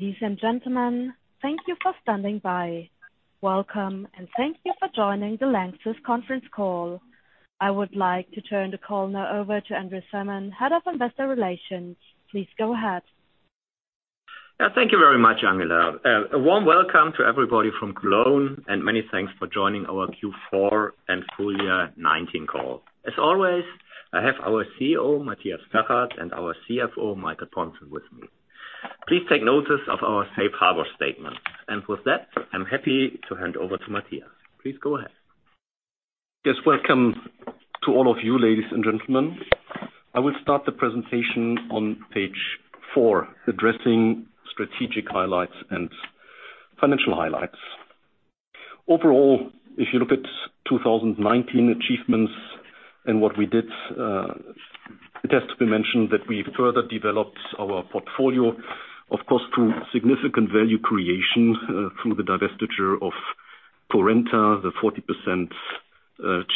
Ladies and gentlemen, thank you for standing by. Welcome and thank you for joining the LANXESS conference call. I would like to turn the call now over to André Simon, Head of Investor Relations. Please go ahead. Thank you very much, Angela. A warm welcome to everybody from Cologne, and many thanks for joining our Q4 and full year 2019 call. As always, I have our CEO, Matthias Zachert, and our CFO, Michael Pontzen, with me. Please take notice of our safe harbor statement. With that, I'm happy to hand over to Matthias. Please go ahead. Yes, welcome to all of you, ladies and gentlemen. I will start the presentation on page four, addressing strategic highlights and financial highlights. Overall, if you look at 2019 achievements and what we did, it has to be mentioned that we further developed our portfolio, of course, through significant value creation from the divestiture of Currenta, the 40%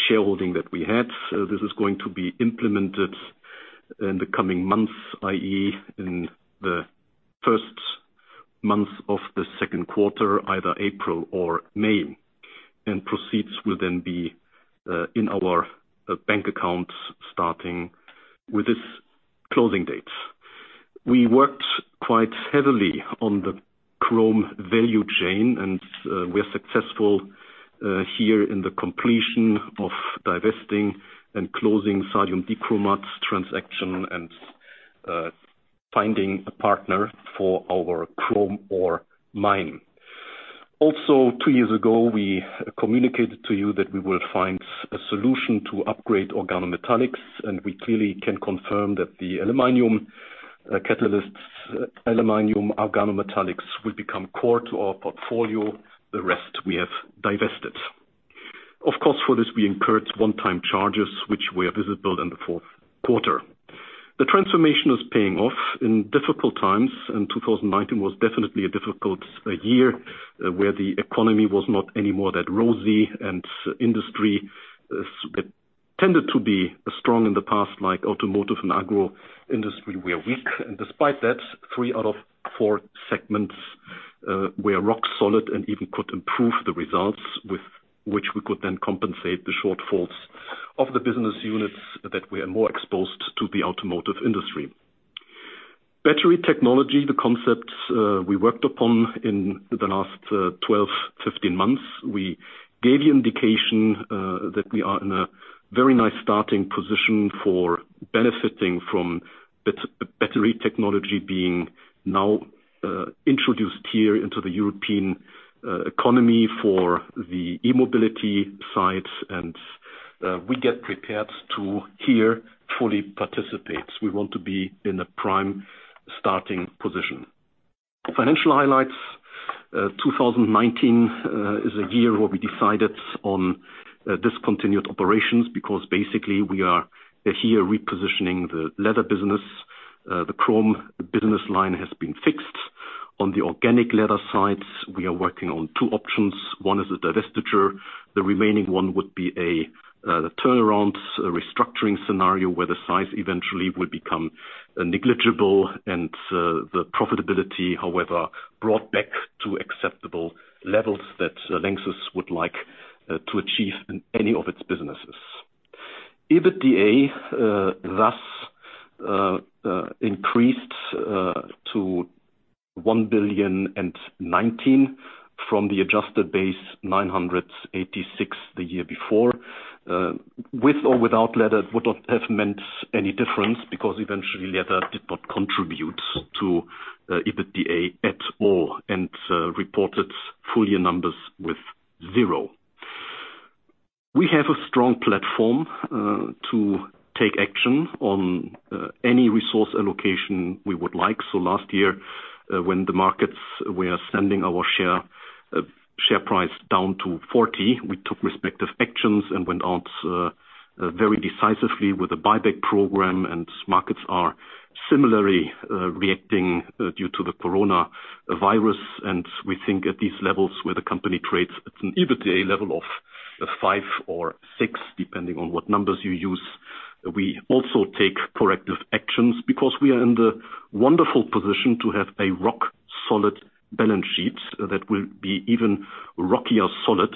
shareholding that we had. This is going to be implemented in the coming months, i.e., in the first month of the second quarter, either April or May, and proceeds will then be in our bank accounts starting with this closing date. We worked quite heavily on the chrome value chain, and we are successful here in the completion of divesting and closing sodium dichromate transaction and finding a partner for our chrome ore mine. Also, two years ago, we communicated to you that we will find a solution to upgrade organometallics, and we clearly can confirm that the aluminum catalysts, aluminum organometallics will become core to our portfolio. The rest we have divested. Of course, for this, we incurred one-time charges, which were visible in the fourth quarter. The transformation is paying off in difficult times, and 2019 was definitely a difficult year, where the economy was not any more that rosy and industry tended to be strong in the past, like automotive and agro industry were weak. Despite that, three out of four segments were rock solid and even could improve the results with which we could then compensate the shortfalls of the business units that were more exposed to the automotive industry. Battery technology, the concepts we worked upon in the last 12, 15 months, we gave the indication that we are in a very nice starting position for benefiting from battery technology being now introduced here into the European economy for the e-mobility side, and we get prepared to here fully participate. We want to be in a prime starting position. Financial highlights. 2019 is a year where we decided on discontinued operations because basically we are here repositioning the leather business. The chrome business line has been fixed. On the organic leather side, we are working on two options. One is a divestiture. The remaining one would be a turnaround restructuring scenario where the size eventually will become negligible and the profitability, however, brought back to acceptable levels that LANXESS would like to achieve in any of its businesses. EBITDA thus increased to 1.019 billion from the adjusted base 986 million the year before. With or without leather, it would not have meant any difference because eventually leather did not contribute to EBITDA at all and reported full year numbers with zero. We have a strong platform to take action on any resource allocation we would like. Last year, when the markets were sending our share price down to 40, we took respective actions and went out very decisively with a buyback program. Markets are similarly reacting due to the Corona. We think at these levels, where the company trades at an EBITDA Level of 5 or 6, depending on what numbers you use, we also take corrective actions because we are in the wonderful position to have a rock-solid balance sheet that will be even rockier solid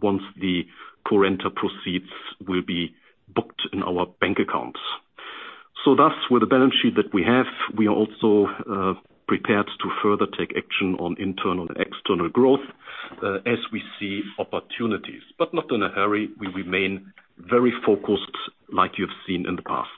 once the Currenta proceeds will be booked in our bank accounts. Thus, with the balance sheet that we have, we are also prepared to further take action on internal and external growth as we see opportunities, but not in a hurry. We remain very focused like you've seen in the past.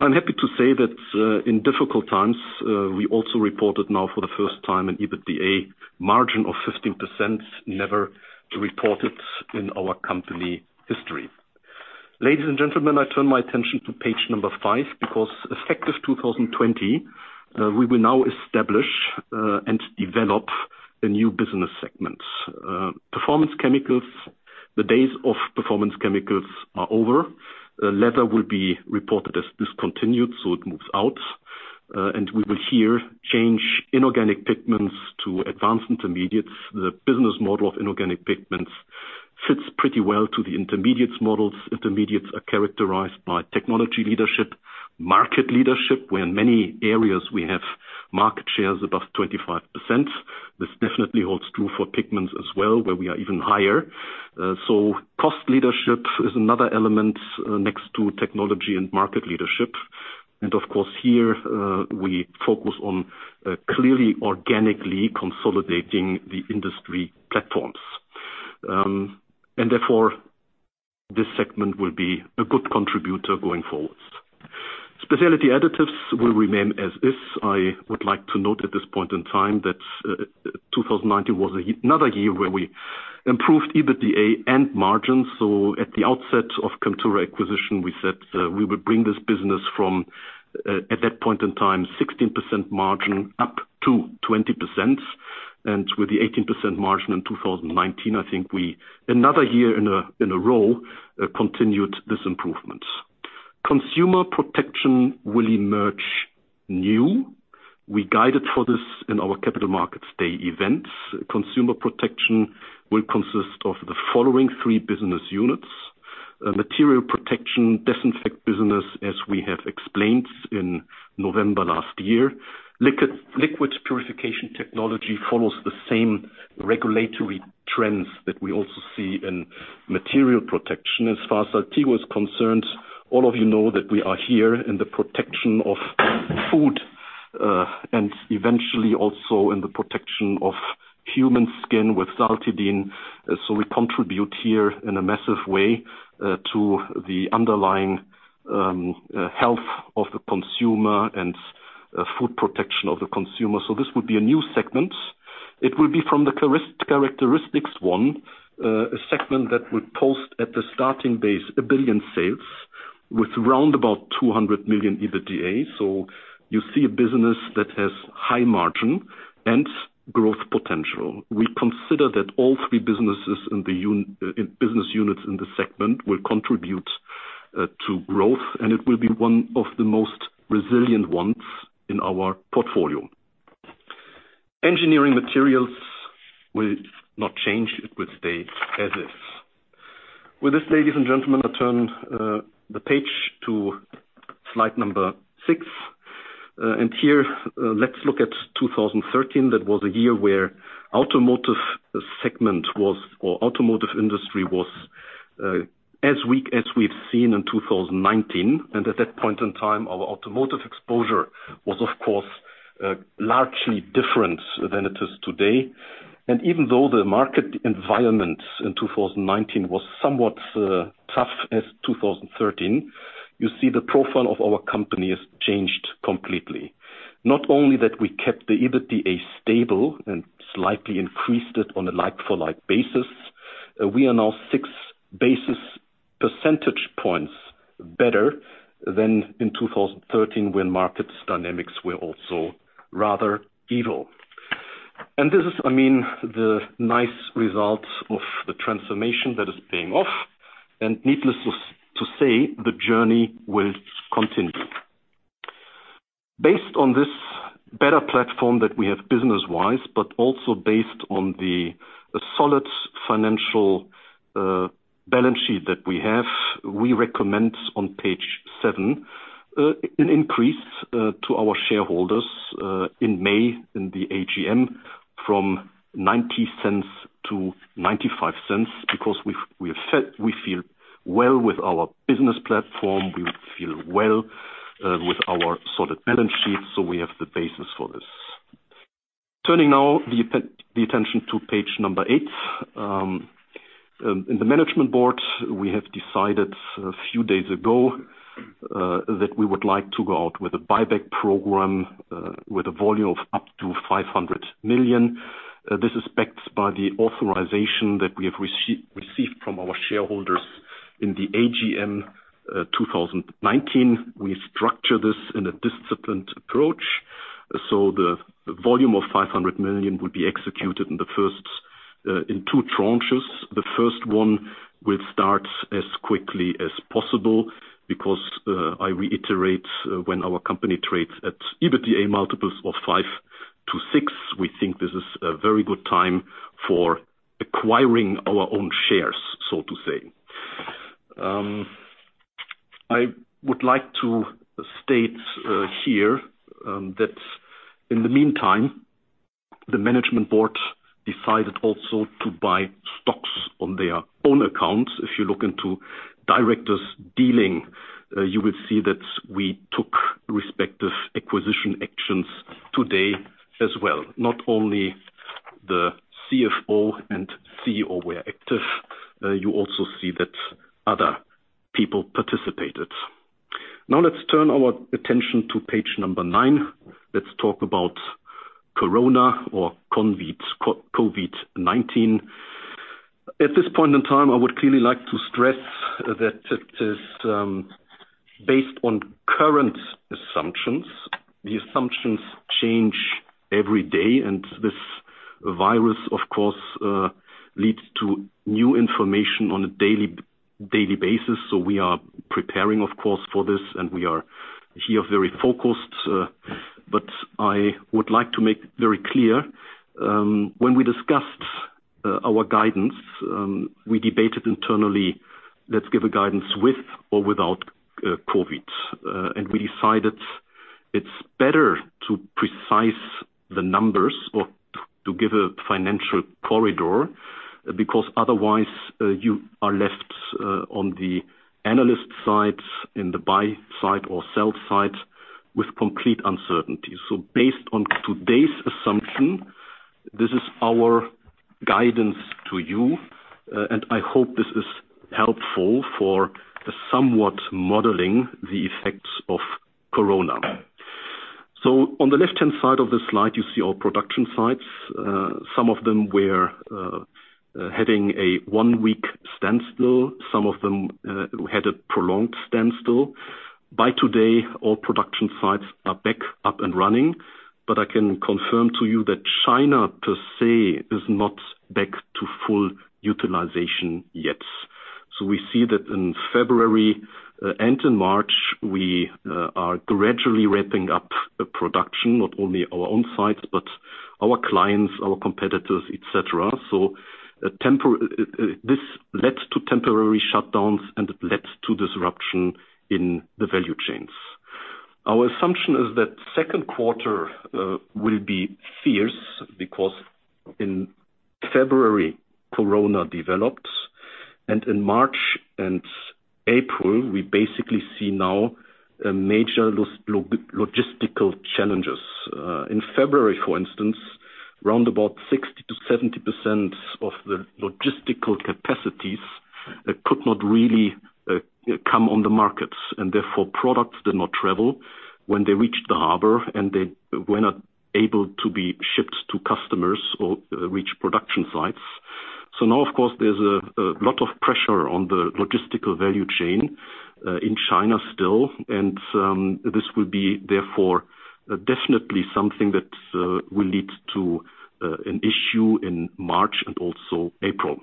I'm happy to say that in difficult times, we also reported now for the first time an EBITDA margin of 15% never reported in our company history. Ladies and gentlemen, I turn my attention to page number five because effective 2020, we will now establish and develop a new business segment. Performance Chemicals, the days of Performance Chemicals are over. Leather will be reported as discontinued, it moves out. We will here change Inorganic Pigments to Advanced Intermediates. The business model of Inorganic Pigments fits pretty well to the Advanced Intermediates models. Intermediates are characterized by technology leadership, market leadership, where in many areas we have market shares above 25%. This definitely holds true for pigments as well, where we are even higher. Cost leadership is another element next to technology and market leadership. Of course here, we focus on clearly organically consolidating the industry platforms. Therefore this segment will be a good contributor going forwards. Specialty Additives will remain as is. I would like to note at this point in time that 2019 was another year where we improved EBITDA and margins. At the outset of Chemtura acquisition, we said we would bring this business from, at that point in time, 16% margin up to 20%. With the 18% margin in 2019, I think we, another year in a row, continued this improvement. Consumer Protection will emerge new. We guided for this in our capital markets day events. Consumer Protection will consist of the following three business units. Material Protection, disinfect business, as we have explained in November last year. Liquid Purification Technology follows the same regulatory trends that we also see in Material Protection. As far as Saltigo is concerned, all of you know that we are here in the protection of food, and eventually also in the protection of human skin with Saltidin. We contribute here in a massive way, to the underlying health of the Consumer Protection of the consumer. This would be a new segment. It will be from the characteristics one, a segment that would post at the starting base 1 billion sales with around 200 million EBITDA. You see a business that has high margin and growth potential. We consider that all three business units in this segment will contribute to growth, and it will be one of the most resilient ones in our portfolio. Engineering Materials will not change. It will stay as is. With this, ladies and gentlemen, I turn the page to slide number six. Here, let's look at 2013. That was a year where automotive segment was, or automotive industry was as weak as we've seen in 2019. At that point in time, our automotive exposure was of course, largely different than it is today. Even though the market environment in 2019 was somewhat tough as 2013, you see the profile of our company has changed completely. Not only that we kept the EBITDA stable and slightly increased it on a like for like basis. We are now 6 basis percentage points better than in 2013 when markets dynamics were also rather evil. This is the nice result of the transformation that is paying off. Needless to say, the journey will continue. Based on this better platform that we have business-wise, but also based on the solid financial balance sheet that we have, we recommend on page seven, an increase to our shareholders in May in the AGM from 0.90 to 0.95 because we feel well with our business platform. We feel well with our solid balance sheet. We have the basis for this. Turning now the attention to page number eight. In the Management Board, we have decided a few days ago, that we would like to go out with a buyback program with a volume of up to 500 million. This is backed by the authorization that we have received from our shareholders in the AGM 2019. We structure this in a disciplined approach. The volume of 500 million would be executed in two tranches. The first one will start as quickly as possible because, I reiterate, when our company trades at EBITDA multiples of five to six, we think this is a very good time for acquiring our own shares, so to say. I would like to state here that in the meantime, the Management Board decided also to buy stocks on their own accounts. If you look into directors' dealing, you will see that we took respective acquisition actions today as well. Not only the CFO and CEO were active. You also see that other people participated. Now let's turn our attention to page number nine. Let's talk about Corona or COVID-19. At this point in time, I would clearly like to stress that it is based on current assumptions. The assumptions change every day and this virus, of course, leads to new information on a daily basis. We are preparing, of course, for this, and we are here very focused. I would like to make very clear, when we discussed our guidance, we debated internally, let's give a guidance with or without COVID. We decided it's better to precise the numbers or to give a financial corridor, because otherwise, you are left on the analyst side, in the buy side or sell side with complete uncertainty. Based on today's assumption, this is our guidance to you. I hope this is helpful for somewhat modeling the effects of Corona. On the left-hand side of the slide, you see our production sites. Some of them were having a one-week standstill. Some of them had a prolonged standstill. By today, all production sites are back up and running, but I can confirm to you that China, per se, is not back to full utilization yet. We see that in February and in March, we are gradually ramping up production, not only our own sites, but our clients, our competitors, et cetera. This led to temporary shutdowns and it led to disruption in the value chains. Our assumption is that 2Q will be fierce because in February, Corona developed. In March and April, we basically see now major logistical challenges. In February, for instance, round about 60%-70% of the logistical capacities could not really come on the markets, and therefore, products did not travel when they reached the harbor, and they were not able to be shipped to customers or reach production sites. Now, of course, there's a lot of pressure on the logistical value chain in China still. This will be, therefore, definitely something that will lead to an issue in March and also April.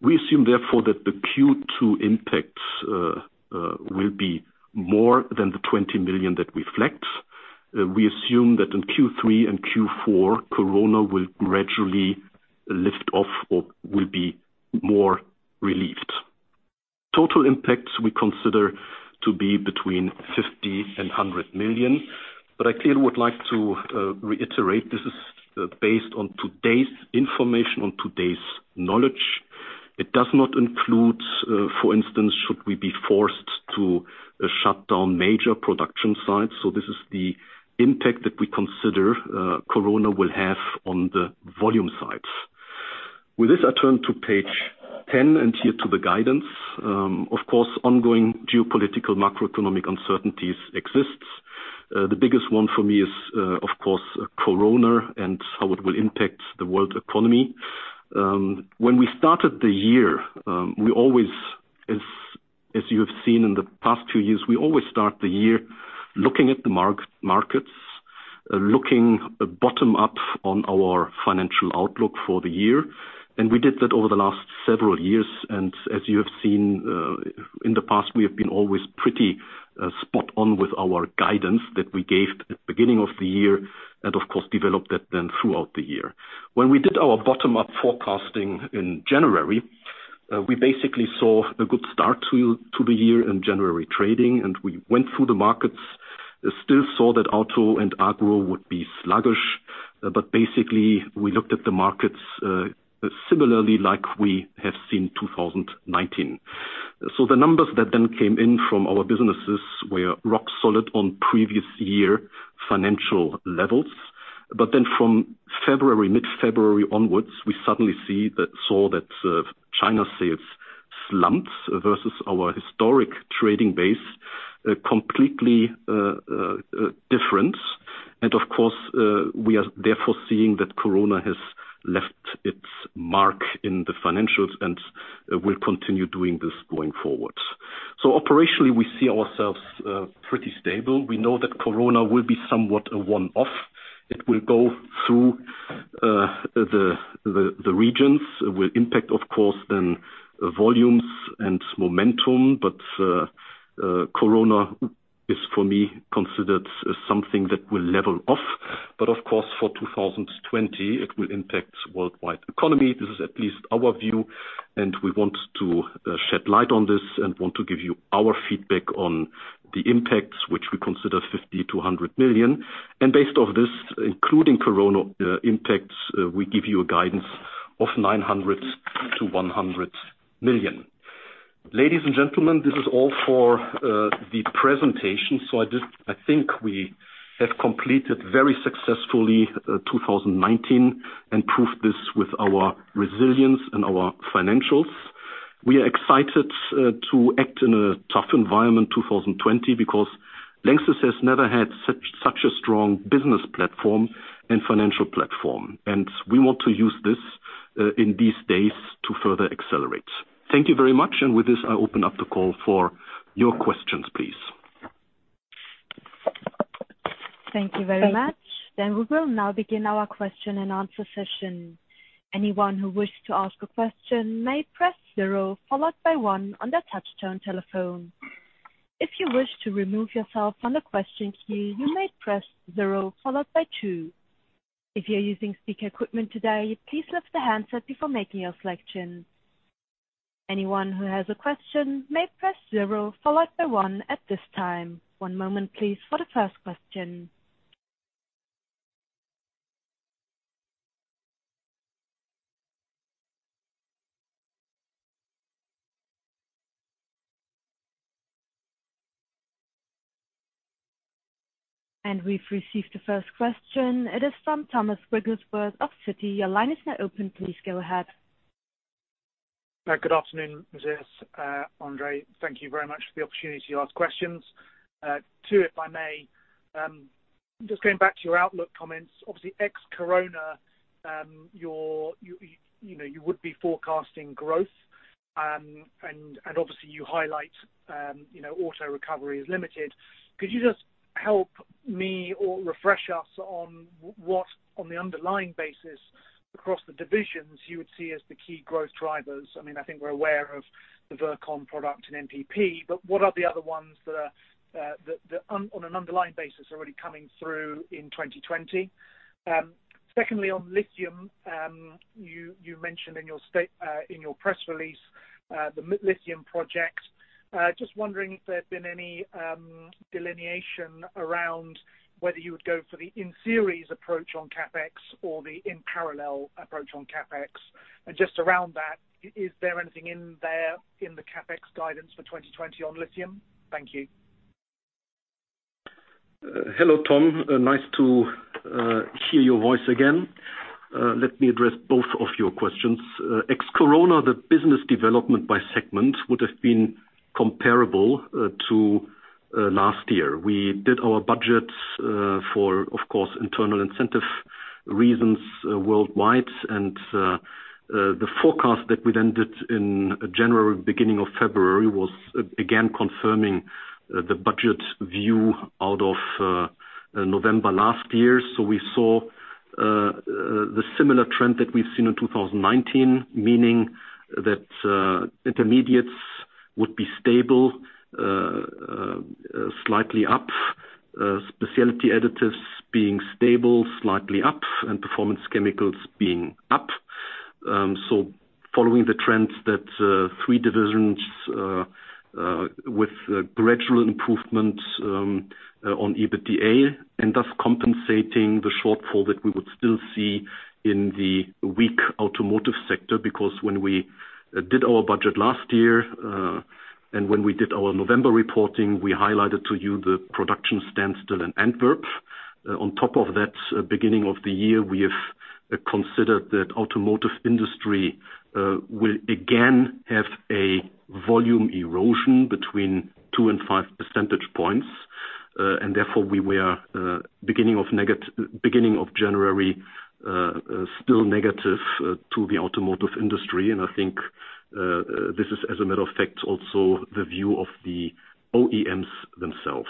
We assume, therefore, that the Q2 impacts will be more than the 20 million that we reflect. We assume that in Q3 and Q4, Corona will gradually lift off or will be more relieved. Total impacts we consider to be between 50 million and 100 million. I clearly would like to reiterate, this is based on today's information, on today's knowledge. It does not include, for instance, should we be forced to shut down major production sites. This is the impact that we consider Corona will have on the volume sites. With this, I turn to page 10 and here to the guidance. Of course, ongoing geopolitical macroeconomic uncertainties exists. The biggest one for me is, of course, Corona and how it will impact the world economy. When we started the year, as you have seen in the past two years, we always start the year looking at the markets, looking bottom-up on our financial outlook for the year. We did that over the last several years. As you have seen in the past, we have been always pretty spot on with our guidance that we gave at the beginning of the year and of course, developed it then throughout the year. When we did our bottom-up forecasting in January, we basically saw a good start to the year in January trading, and we went through the markets, still saw that auto and agro would be sluggish. Basically, we looked at the markets similarly like we have seen 2019. The numbers that then came in from our businesses were rock solid on previous year financial levels. From mid-February onwards, we suddenly saw that China sales slumped versus our historic trading base, completely different. Of course, we are therefore seeing that Corona has left its mark in the financials and will continue doing this going forward. Operationally, we see ourselves pretty stable. We know that Corona will be somewhat a one-off. It will go through the regions, will impact, of course, volumes and momentum. Corona is, for me, considered something that will level off. Of course, for 2020, it will impact worldwide economy. This is at least our view, and we want to shed light on this and want to give you our feedback on the impacts, which we consider 50 million-100 million. Based off this, including Corona impacts, we give you a guidance of 900 million-100 million. Ladies and gentlemen, this is all for the presentation. I think we have completed very successfully 2019 and proved this with our resilience and our financials. We are excited to act in a tough environment, 2020, because LANXESS has never had such a strong business platform and financial platform. We want to use this in these days to further accelerate. Thank you very much. With this, I open up the call for your questions, please. Thank you very much. We will now begin our question and answer session. Anyone who wishes to ask a question may press zero followed by one on their touch-tone telephone. If you wish to remove yourself from the question queue, you may press zero followed by two. If you're using speaker equipment today, please lift the handset before making your selection. Anyone who has a question may press zero followed by one at this time. One moment please for the first question. We've received the first question. It is from Thomas Wrigglesworth of Citi. Your line is now open. Please go ahead. Good afternoon, Matthias, André. Thank you very much for the opportunity to ask questions. Two, if I may. Going back to your outlook comments, obviously ex-Corona, you would be forecasting growth. Obviously, you highlight auto recovery is limited. Could you just help me or refresh us on what, on the underlying basis across the divisions, you would see as the key growth drivers? I think we're aware of the Virkon product and MPP, what are the other ones that are, on an underlying basis, already coming through in 2020? Secondly, on lithium, you mentioned in your press release, the lithium project. Wondering if there had been any delineation around whether you would go for the in-series approach on CapEx or the in-parallel approach on CapEx. Just around that, is there anything in there in the CapEx guidance for 2020 on lithium? Thank you. Hello, Tom. Nice to hear your voice again. Let me address both of your questions. Ex-Corona, the business development by segment would have been comparable to last year. We did our budgets for, of course, internal incentive reasons worldwide, and the forecast that we then did in January, beginning of February, was again confirming the budget view out of November last year. We saw the similar trend that we've seen in 2019, meaning that Advanced Intermediates would be stable, slightly up. Specialty Additives being stable, slightly up, and Performance Chemicals being up. Following the trends that three divisions with gradual improvement on EBITDA, and thus compensating the shortfall that we would still see in the weak automotive sector, because when we did our budget last year, and when we did our November reporting, we highlighted to you the production standstill in Antwerp. On top of that, beginning of the year, we have considered that automotive industry will again have a volume erosion between 2 and 5 percentage points. Therefore, we were, beginning of January, still negative to the automotive industry. I think this is, as a matter of fact, also the view of the OEMs themselves.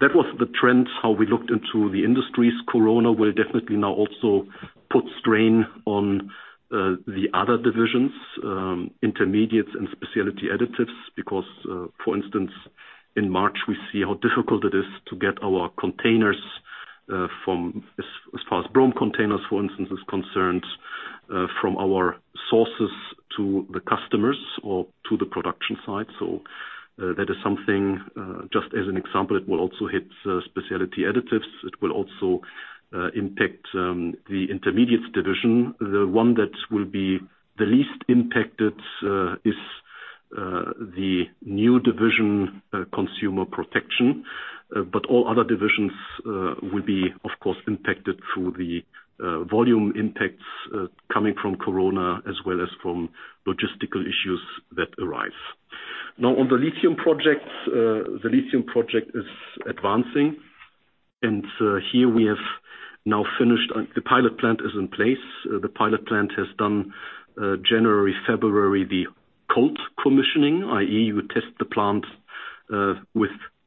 That was the trends, how we looked into the industries. Corona will definitely now also put strain on the other divisions, Intermediates and Specialty Additives, because, for instance, in March, we see how difficult it is to get our containers as far as bromine containers, for instance, is concerned, from our sources to the customers or to the production site. That is something, just as an example, it will also hit Specialty Additives. It will also impact the Intermediates division. The one that will be the least impacted is the new division, Consumer Protection. All other divisions will be, of course, impacted through the volume impacts coming from COVID as well as from logistical issues that arise. On the lithium project. The lithium project is advancing, and here the pilot plant is in place. The pilot plant has done January, February, the cold commissioning, i.e., you test the plant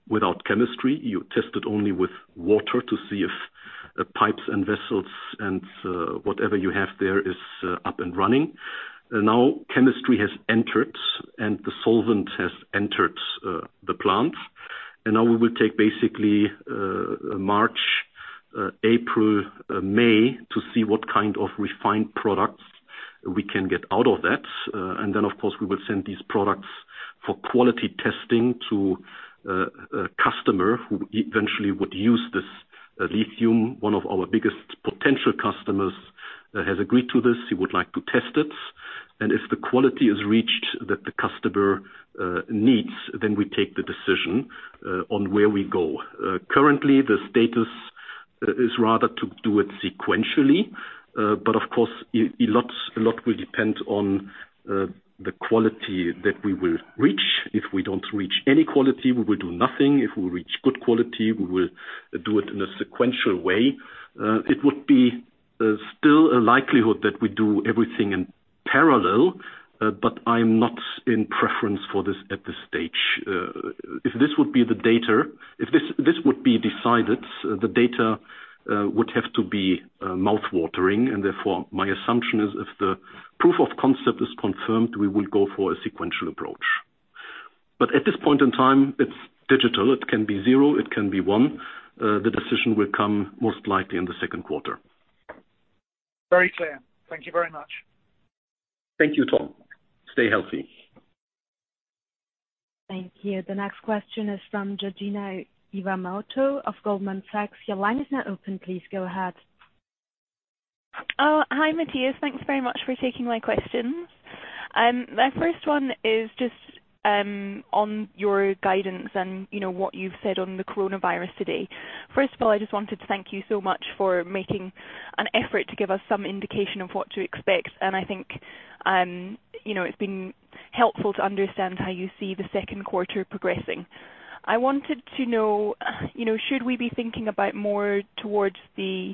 without chemistry. You test it only with water to see if pipes and vessels and whatever you have there is up and running. Chemistry has entered, and the solvent has entered the plant. Now we will take basically March, April, May to see what kind of refined products we can get out of that. Of course, we will send these products for quality testing to a customer who eventually would use this lithium. One of our biggest potential customers has agreed to this. He would like to test it. If the quality is reached that the customer needs, then we take the decision on where we go. Currently, the status is rather to do it sequentially. Of course, a lot will depend on the quality that we will reach. If we don't reach any quality, we will do nothing. If we reach good quality, we will do it in a sequential way. There's still a likelihood that we do everything in parallel, but I'm not in preference for this at this stage. If this would be decided, the data would have to be mouth-watering and therefore my assumption is if the proof of concept is confirmed, we will go for a sequential approach. At this point in time, it's digital. It can be zero, it can be one. The decision will come most likely in the second quarter. Very clear. Thank you very much. Thank you, Tom. Stay healthy. Thank you. The next question is from Georgina Iwamoto of Goldman Sachs. Your line is now open. Please go ahead. Oh, hi, Matthias. Thanks very much for taking my questions. My first one is just on your guidance and what you've said on the coronavirus today. First of all, I just wanted to thank you so much for making an effort to give us some indication of what to expect. I think, it's been helpful to understand how you see the second quarter progressing. I wanted to know, should we be thinking about more towards the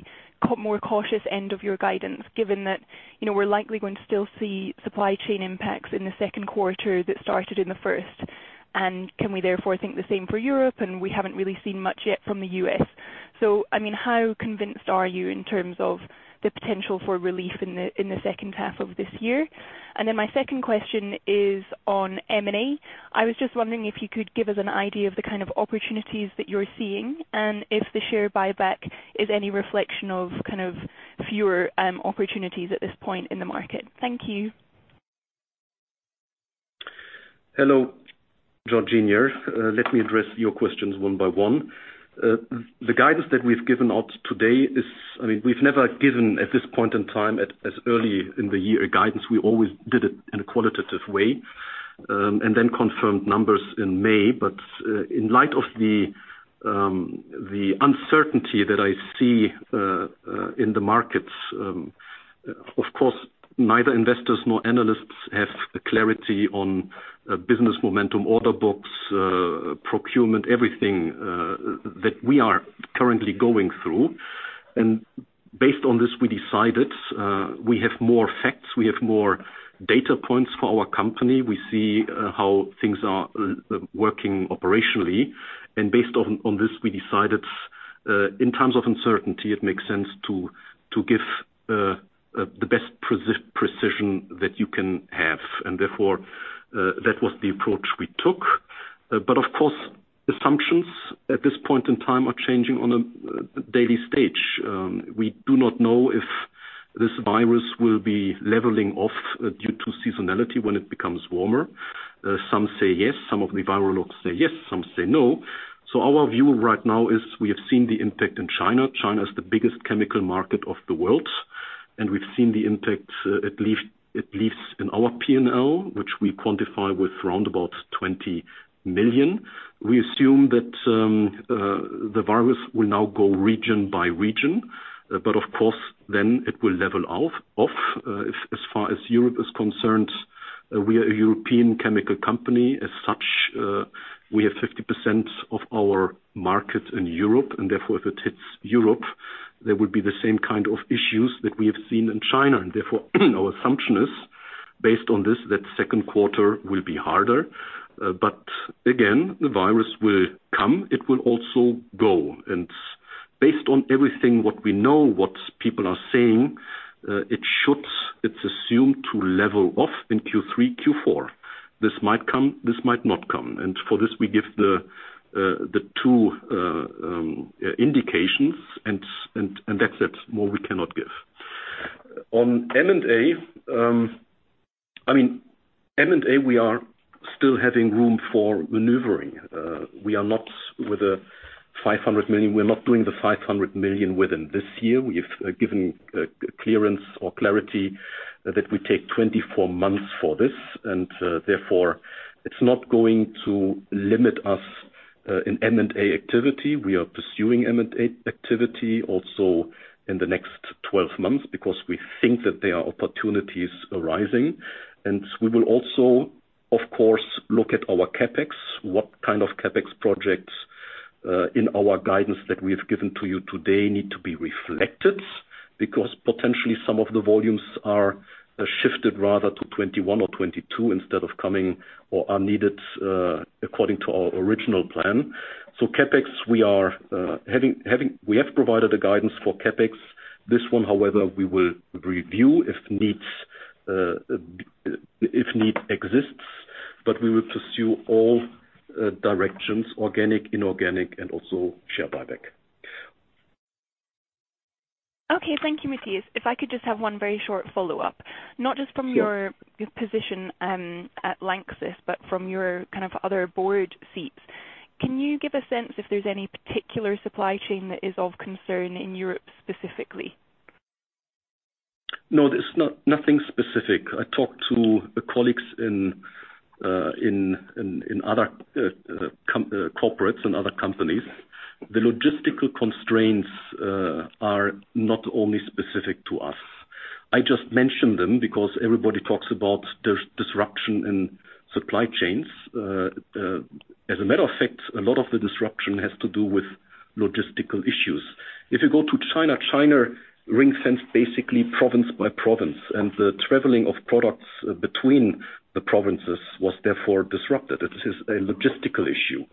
more cautious end of your guidance, given that we're likely going to still see supply chain impacts in the second quarter that started in the first, and can we therefore think the same for Europe? We haven't really seen much yet from the U.S. How convinced are you in terms of the potential for relief in the second half of this year? My second question is on M&A. I was just wondering if you could give us an idea of the kind of opportunities that you're seeing, and if the share buyback is any reflection of kind of fewer opportunities at this point in the market. Thank you. Hello, Georgina. Let me address your questions one by one. The guidance that we've given out today, we've never given, at this point in time, as early in the year a guidance. We always did it in a qualitative way, and then confirmed numbers in May. In light of the uncertainty that I see in the markets, of course, neither investors nor analysts have the clarity on business momentum, order books, procurement, everything that we are currently going through. Based on this, we decided, we have more facts, we have more data points for our company. We see how things are working operationally. Based on this, we decided, in terms of uncertainty, it makes sense to give the best precision that you can have. Therefore, that was the approach we took. Of course, assumptions at this point in time are changing on a daily stage. We do not know if this virus will be leveling off due to seasonality when it becomes warmer. Some say yes, some of the virologists say yes, some say no. Our view right now is we have seen the impact in China. China is the biggest chemical market of the world, and we've seen the impact, it leaves in our P&L, which we quantify with round about 20 million. We assume that the virus will now go region by region, but of course, then it will level off. As far as Europe is concerned, we are a European chemical company. As such, we have 50% of our market in Europe, and therefore, if it hits Europe, there would be the same kind of issues that we have seen in China. Therefore, our assumption is based on this, that second quarter will be harder. Again, the virus will come, it will also go. Based on everything, what we know, what people are saying, it's assumed to level off in Q3, Q4. This might come, this might not come. For this, we give the two indications and that's it. More we cannot give. On M&A, we are still having room for maneuvering. With the 500 million, we're not doing the 500 million within this year. We've given clearance or clarity that we take 24 months for this, and therefore it's not going to limit us in M&A activity. We are pursuing M&A activity also in the next 12 months because we think that there are opportunities arising. We will also, of course, look at our CapEx. What kind of CapEx projects, in our guidance that we have given to you today, need to be reflected. Potentially some of the volumes are shifted rather to 2021 or 2022 instead of coming or are needed, according to our original plan. CapEx, we have provided a guidance for CapEx. This one, however, we will review if need exists, but we will pursue all directions, organic, inorganic, and also share buyback. Okay. Thank you, Matthias. If I could just have one very short follow-up. Sure. Not just from your position at LANXESS, but from your kind of other board seats. Can you give a sense if there's any particular supply chain that is of concern in Europe specifically? No, there's nothing specific. I talked to colleagues in other corporates and other companies. The logistical constraints are not only specific to us. I just mentioned them because everybody talks about disruption in supply chains. As a matter of fact, a lot of the disruption has to do with logistical issues. If you go to China ring-fenced basically province by province. The traveling of products between the provinces was therefore disrupted. This is a logistical issue.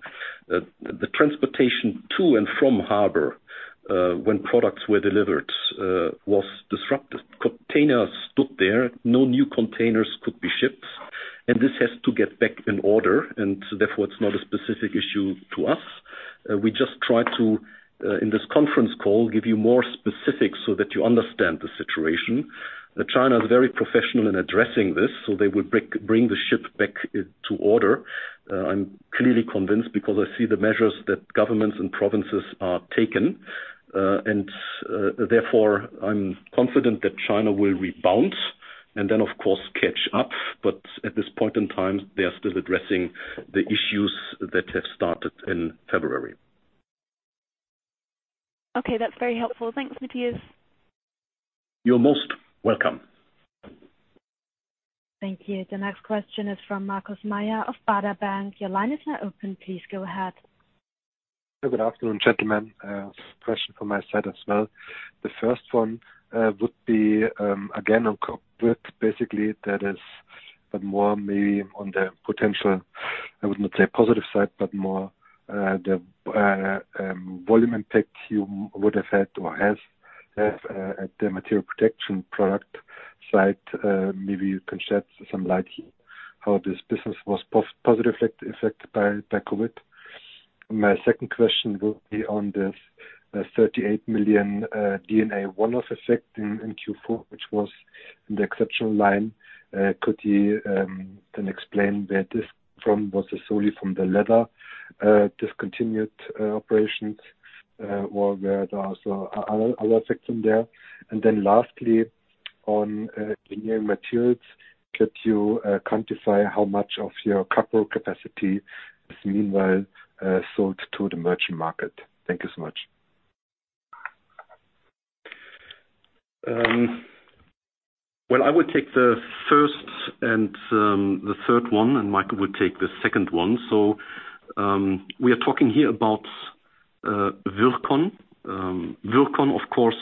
The transportation to and from harbor when products were delivered was disrupted. Containers stood there, no new containers could be shipped. This has to get back in order. Therefore, it's not a specific issue to us. We just try to, in this conference call, give you more specifics so that you understand the situation. China is very professional in addressing this, they will bring the ship back to order. I'm clearly convinced because I see the measures that governments and provinces are taken. Therefore I'm confident that China will rebound and then of course catch up. At this point in time, they are still addressing the issues that have started in February. Okay. That's very helpful. Thanks, Matthias. You're most welcome. Thank you. The next question is from Markus Mayer of Baader Bank. Your line is now open. Please go ahead. Good afternoon, gentlemen. A question from my side as well. The first one would be, again, on COVID basically, that is, but more maybe on the potential, I would not say positive side, but more the volume impact you would have had or has had at the Material Protection Products side. Maybe you can shed some light how this business was positively affected by COVID. My second question will be on this 38 million D&A one-off effect in Q4, which was in the exceptional line. Could you then explain where this from? Was this solely from the leather discontinued operations, or were there also other effects in there? Lastly, on Engineering Materials, could you quantify how much of your Capro capacity is meanwhile sold to the merchant market? Thank you so much. Well, I will take the first and the third one, and Michael will take the second one. We are talking here about Virkon. Virkon, of course,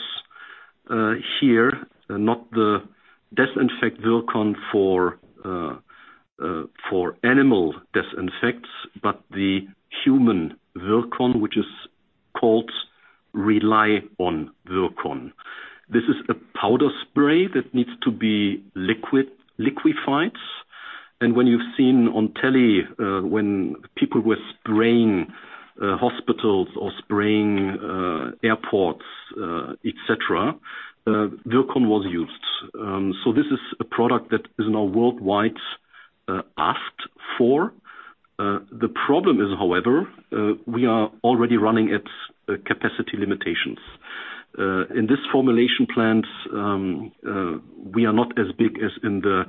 here, not the disinfect Virkon for animal disinfects, but the human Virkon, which is called Rely+On Virkon. This is a powder spray that needs to be liquified. When you've seen on telly when people were spraying hospitals or spraying airports et cetera, Virkon was used. This is a product that is now worldwide asked for. The problem is, however, we are already running at capacity limitations. In this formulation plant, we are not as big as in the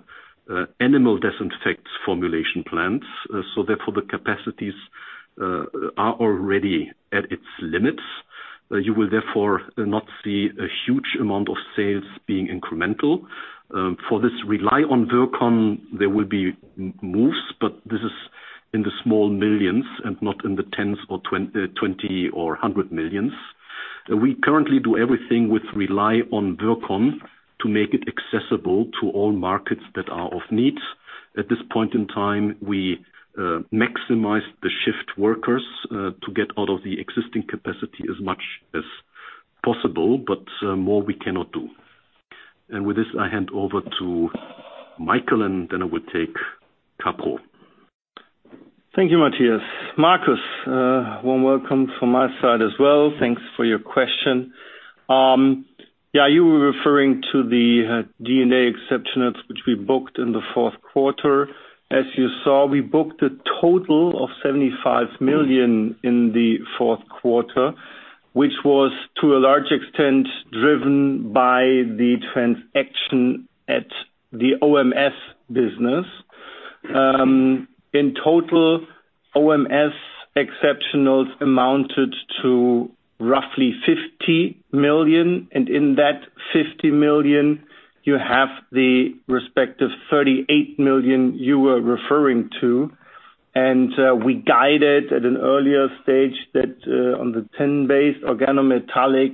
animal disinfects formulation plants. Therefore, the capacities are already at its limits. You will therefore not see a huge amount of sales being incremental. For this Rely+On Virkon, there will be moves, but this is in the small millions and not in the EUR 10 million or 20 million or 100 million. We currently do everything with Rely+On Virkon to make it accessible to all markets that are of need. At this point in time, we maximize the shift workers to get out of the existing capacity as much as possible, but more we cannot do. With this, I hand over to Michael, and then I will take Capro. Thank you, Matthias. Markus, warm welcome from my side as well. Thanks for your question. Yeah, you were referring to the D&A exceptionals which we booked in the fourth quarter. As you saw, we booked a total of 75 million in the fourth quarter, which was to a large extent driven by the transaction at the OMS business. In total, OMS exceptionals amounted to roughly 50 million. In that 50 million, you have the respective 38 million you were referring to. We guided at an earlier stage that on the tin-based organometallic,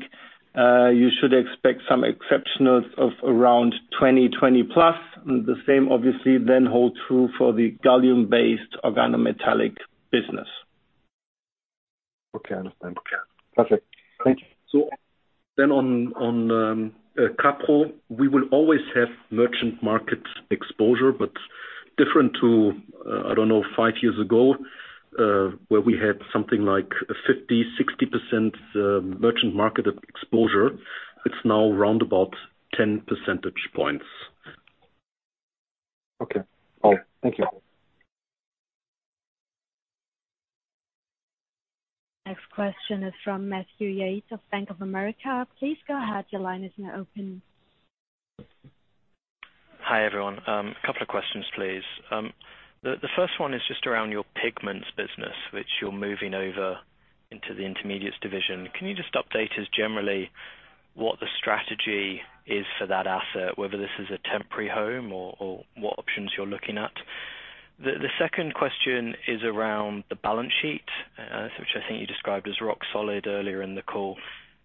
you should expect some exceptionals of around 20+. The same obviously then holds true for the gallium-based organometallic business. Okay, understand. Okay. Perfect. Thank you. On Capro, we will always have merchant market exposure, but different to, I don't know, five years ago, where we had something like 50%-60% merchant market exposure. It's now around about 10 percentage points. Okay. All right. Thank you. Next question is from Matthew Yates of Bank of America. Please go ahead. Your line is now open. Hi, everyone. A couple of questions, please. The first one is just around your pigments business, which you're moving over into the Intermediates division. Can you just update us generally what the strategy is for that asset, whether this is a temporary home or what options you're looking at? The second question is around the balance sheet, which I think you described as rock solid earlier in the call.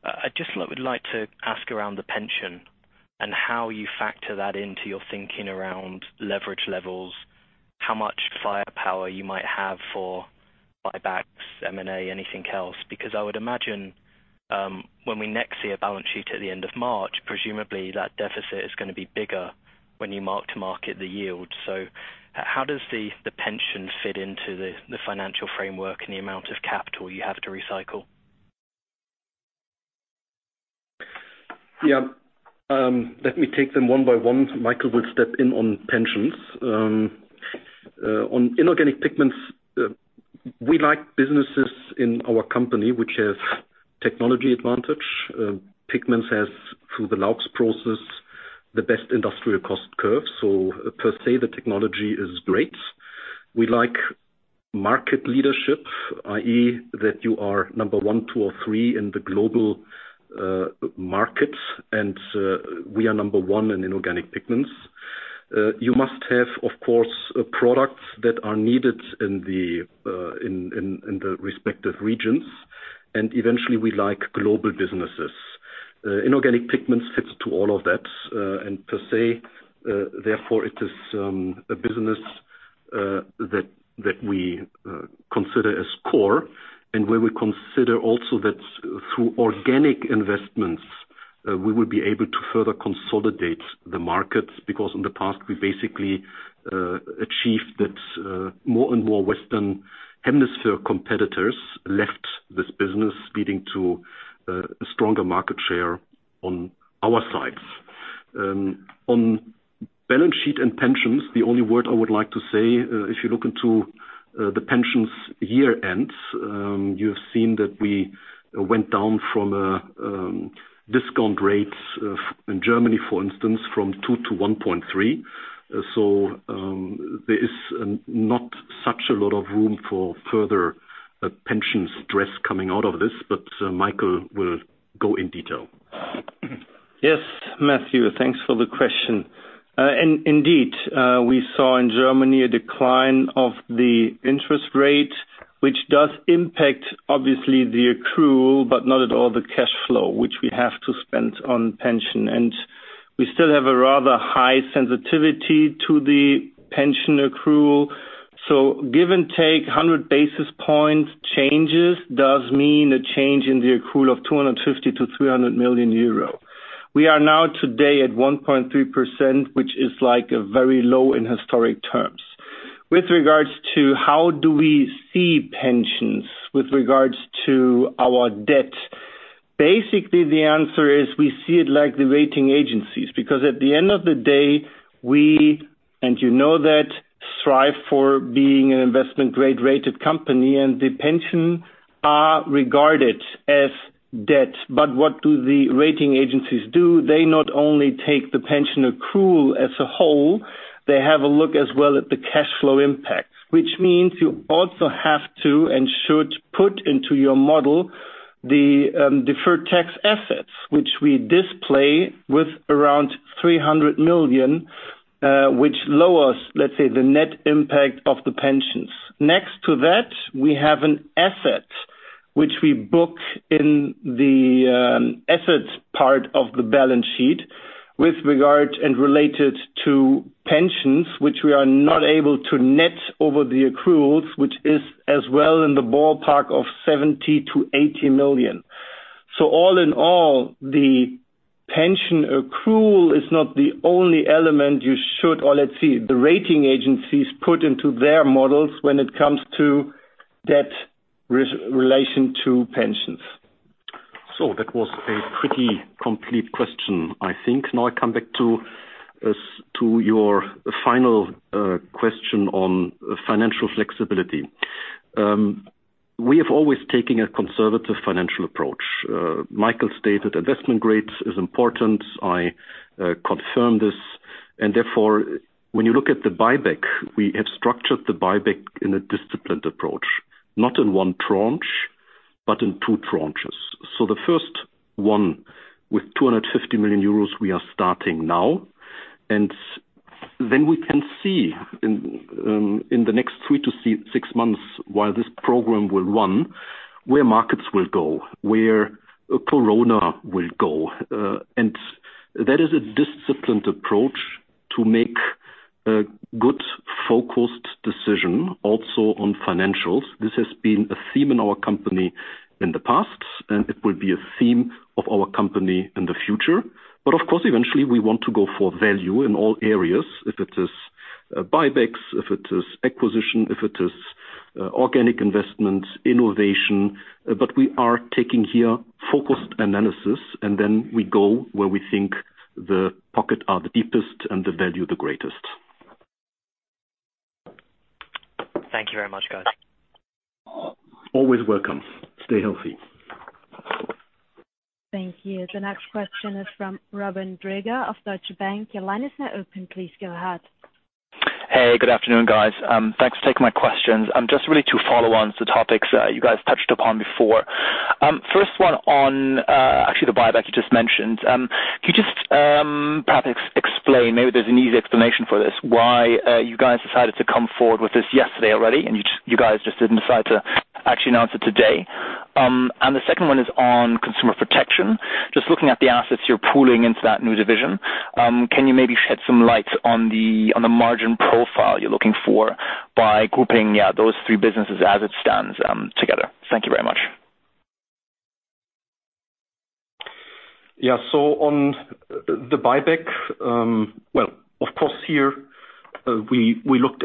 I just would like to ask around the pension and how you factor that into your thinking around leverage levels, how much firepower you might have for buybacks, M&A, anything else. I would imagine, when we next see a balance sheet at the end of March, presumably that deficit is going to be bigger when you mark-to-market the yield. How does the pension fit into the financial framework and the amount of capital you have to recycle? Let me take them one by one. Michael will step in on pensions. On Inorganic Pigments, we like businesses in our company which have technology advantage. Inorganic Pigments has, through the Laux process, the best industrial cost curve. Per se, the technology is great. We like market leadership, i.e., that you are number one, two, or three in the global market, and we are number one in Inorganic Pigments. You must have, of course, products that are needed in the respective regions, and eventually, we like global businesses. Inorganic Pigments fits to all of that, and per se, therefore it is a business that we consider as core, and where we consider also that through organic investments, we would be able to further consolidate the markets. In the past we basically achieved that more and more Western Hemisphere competitors left this business leading to a stronger market share on our side. On balance sheet and pensions, the only word I would like to say, if you look into the pensions year-ends, you have seen that we went down from discount rates in Germany, for instance, from 2% to 1.3%. There is not such a lot of room for further pension stress coming out of this, but Michael will go in detail. Yes, Matthew. Thanks for the question. Indeed, we saw in Germany a decline of the interest rate, which does impact obviously the accrual, but not at all the cash flow, which we have to spend on pension. We still have a rather high sensitivity to the pension accrual. Give and take, 100 basis point changes does mean a change in the accrual of 250 million-300 million euro. We are now today at 1.3%, which is very low in historic terms. With regards to how do we see pensions with regards to our debt, basically the answer is we see it like the rating agencies, because at the end of the day, we, you know that, strive for being an investment grade rated company and the pension are regarded as debt. What do the rating agencies do? They not only take the pension accrual as a whole, they have a look as well at the cash flow impact. Which means you also have to and should put into your model the deferred tax assets, which we display with around 300 million, which lowers, let's say, the net impact of the pensions. Next to that, we have an asset which we book in the assets part of the balance sheet with regard and related to pensions, which we are not able to net over the accruals, which is as well in the ballpark of 70 million-80 million. All in all, the pension accrual is not the only element you should or let's see, the rating agencies put into their models when it comes to debt relation to pensions. That was a pretty complete question, I think. I come back to your final question on financial flexibility. We have always taken a conservative financial approach. Michael stated investment grade is important. I confirm this, and therefore, when you look at the buyback, we have structured the buyback in a disciplined approach, not in one tranche, but in two tranches. The first one with 250 million euros we are starting now, and then we can see in the next three to six months while this program will run, where markets will go, where Corona will go. That is a disciplined approach to make a good focused decision also on financials. This has been a theme in our company in the past, and it will be a theme of our company in the future. Of course, eventually we want to go for value in all areas. If it is buybacks, if it is acquisition, if it is organic investment, innovation. We are taking here focused analysis and then we go where we think the pocket are the deepest and the value the greatest. Thank you very much. Always welcome. Stay healthy. Thank you. The next question is from Robin Dräger of Deutsche Bank. Your line is now open. Please go ahead. Hey, good afternoon, guys. Thanks for taking my questions. Just really two follow-ons, the topics you guys touched upon before. First one on actually the buyback you just mentioned. Can you just perhaps explain, maybe there's an easy explanation for this, why you guys decided to come forward with this yesterday already, and you guys just didn't decide to actually announce it today? The second one is on Consumer Protection. Just looking at the assets you're pooling into that new division, can you maybe shed some light on the margin profile you're looking for by grouping, yeah, those three businesses as it stands together? Thank you very much. Yeah. On the buyback, well, of course, here we look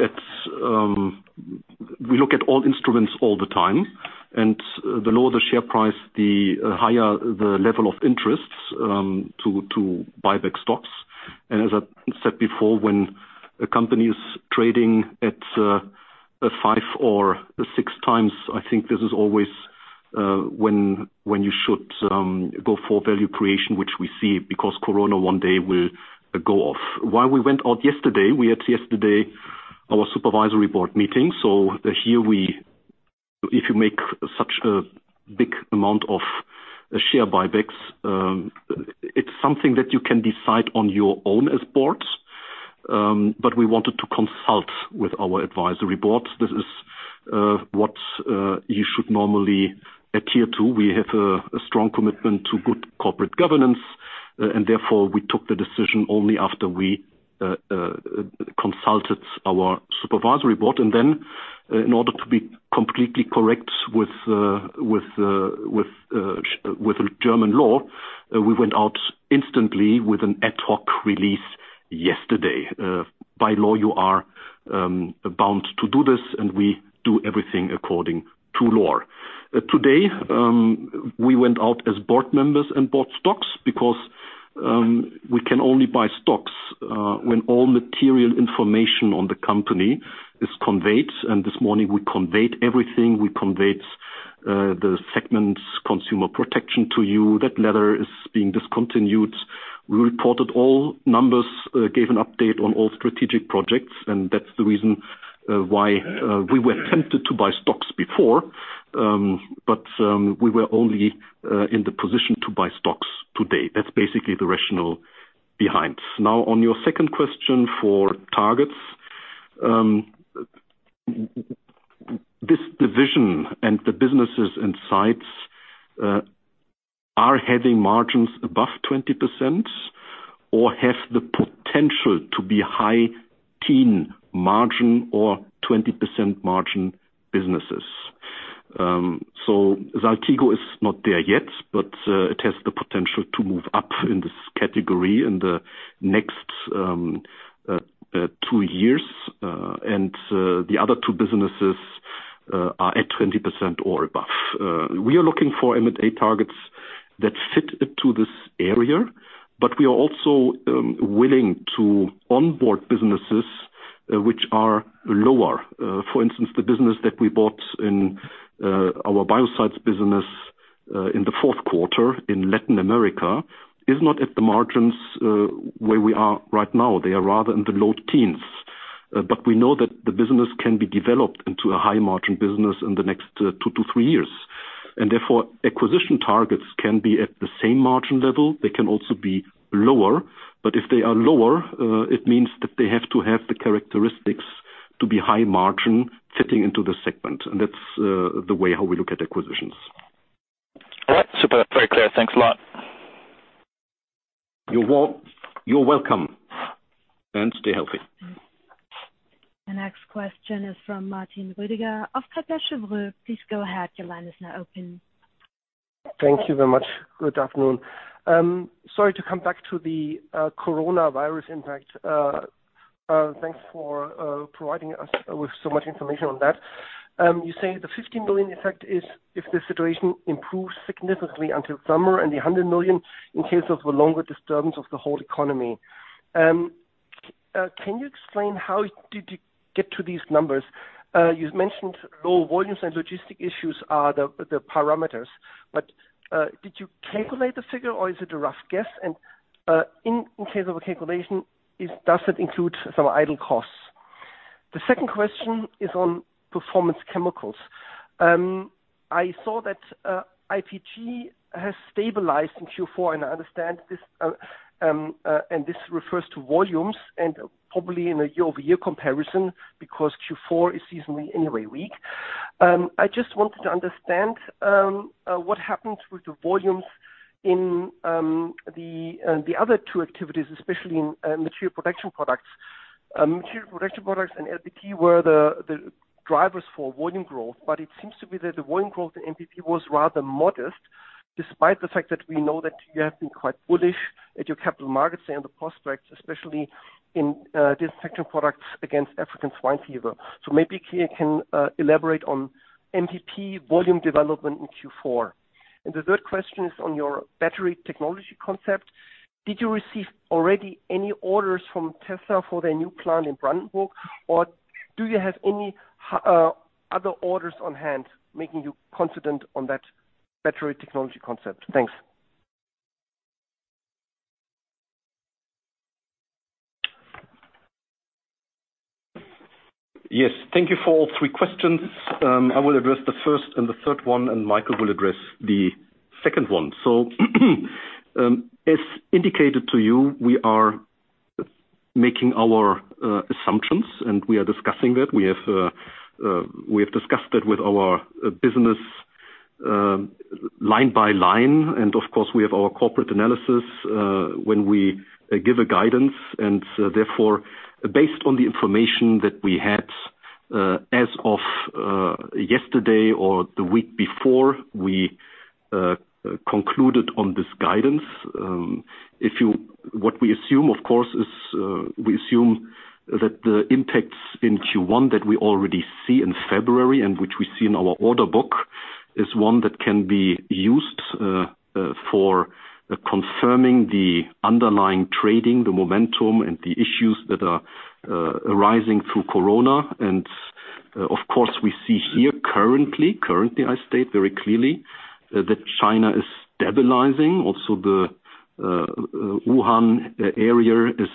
at all instruments all the time, and the lower the share price, the higher the level of interest to buy back stocks. As I said before, when a company is trading at five or six times, I think this is always when you should go for value creation, which we see because Corona one day will go off. Why we went out yesterday, we had yesterday our Supervisory Board meeting. Here, if you make such a big amount of share buybacks, it's something that you can decide on your own as boards. We wanted to consult with our Advisory Boards. This is what you should normally adhere to. We have a strong commitment to good corporate governance, and therefore we took the decision only after we consulted our Supervisory Board. Then in order to be completely correct with German law, we went out instantly with an ad hoc release yesterday. By law, you are bound to do this, and we do everything according to law. Today, we went out as board members and bought stocks because we can only buy stocks when all material information on the company is conveyed, and this morning we conveyed everything. We conveyed the segments Consumer Protection to you. That leather is being discontinued. We reported all numbers, gave an update on all strategic projects, and that's the reason why we were tempted to buy stocks before. We were only in the position to buy stocks today. That's basically the rationale behind. Now, on your second question for targets. This division and the businesses and sites are having margins above 20% or have the potential to be high teen margin or 20% margin businesses. Saltigo is not there yet, but it has the potential to move up in this category in the next two years, and the other two businesses are at 20% or above. We are looking for M&A targets that fit into this area, but we are also willing to onboard businesses which are lower. For instance, the business that we bought in our biocides business in the fourth quarter in Latin America is not at the margins where we are right now. They are rather in the low teens. We know that the business can be developed into a high-margin business in the next two to three years. Therefore acquisition targets can be at the same margin level. They can also be lower, but if they are lower, it means that they have to have the characteristics to be high margin fitting into the segment. That's the way how we look at acquisitions. All right. Super. Very clear. Thanks a lot. You're welcome. Stay healthy. The next question is from Martin Roediger of Kepler Cheuvreux. Please go ahead. Your line is now open. Thank you very much. Good afternoon. Sorry to come back to the Coronavirus impact. Thanks for providing us with so much information on that. You say the 50 million effect is if the situation improves significantly until summer and the 100 million in case of a longer disturbance of the whole economy. Can you explain how did you get to these numbers? You mentioned low volumes and logistic issues are the parameters. Did you calculate the figure or is it a rough guess? In case of a calculation, does it include some idle costs? The second question is on Performance Chemicals. I saw that IPG has stabilized in Q4. I understand, this refers to volumes and probably in a year-over-year comparison because Q4 is seasonally anyway weak. I just wanted to understand what happened with the volumes in the other two activities, especially in Material Protection Products. Material Protection Products and LPT were the drivers for volume growth. It seems to be that the volume growth in MPP was rather modest, despite the fact that we know that you have been quite bullish at your capital markets and the prospects, especially in disinfectant products against African swine fever. Maybe you can elaborate on MPP volume development in Q4. The third question is on your battery technology concept. Did you receive already any orders from Tesla for their new plant in Brandenburg, or do you have any other orders on hand making you confident on that battery technology concept? Thanks. Yes. Thank you for all three questions. I will address the first and the third one, and Michael will address the second one. As indicated to you, we are making our assumptions, and we are discussing that. We have discussed it with our business line by line, and of course, we have our corporate analysis, when we give a guidance, and therefore, based on the information that we had, as of yesterday or the week before, we concluded on this guidance. What we assume, of course, is we assume that the impacts in Q1 that we already see in February and which we see in our order book is one that can be used for confirming the underlying trading, the momentum, and the issues that are arising through Corona. Of course, we see here currently I state very clearly, that China is stabilizing. The Wuhan area is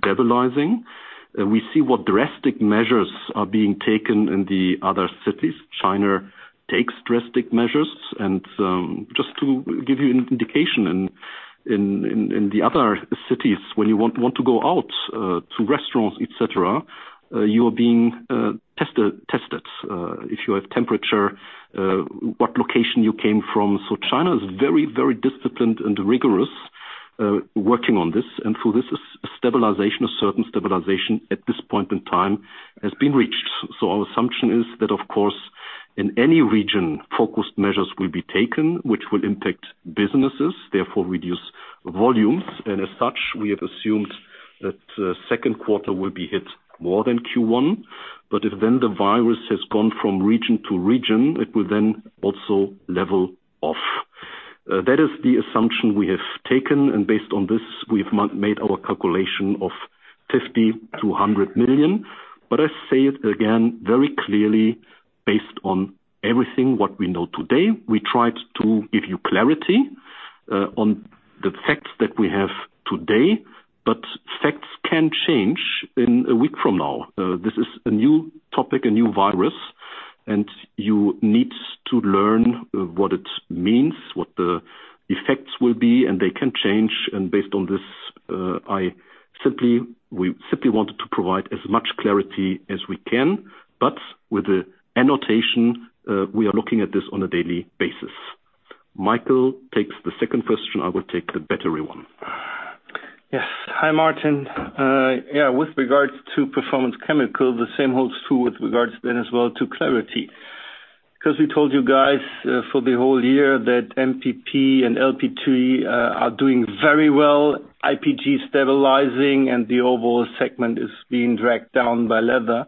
stabilizing. We see what drastic measures are being taken in the other cities. China takes drastic measures. Just to give you an indication, in the other cities, when you want to go out to restaurants, et cetera, you are being tested. If you have temperature, what location you came from. China is very disciplined and rigorous, working on this. Through this, a certain stabilization at this point in time has been reached. Our assumption is that, of course, in any region, focused measures will be taken, which will impact businesses, therefore reduce volumes. As such, we have assumed that second quarter will be hit more than Q1. If then the virus has gone from region to region, it will then also level off. That is the assumption we have taken. Based on this, we've made our calculation of 50 million-100 million. I say it again very clearly based on everything, what we know today. We tried to give you clarity on the facts that we have today. Facts can change in a week from now. This is a new topic, a new virus. You need to learn what it means, what the effects will be. They can change. Based on this, we simply wanted to provide as much clarity as we can. With the annotation, we are looking at this on a daily basis. Michael takes the second question. I will take the battery one. Yes. Hi, Martin. Yeah. With regards to Performance Chemicals, the same holds true with regards then as well to Colorants. We told you guys for the whole year that MPP and LPT are doing very well, IPG stabilizing, and the overall segment is being dragged down by leather.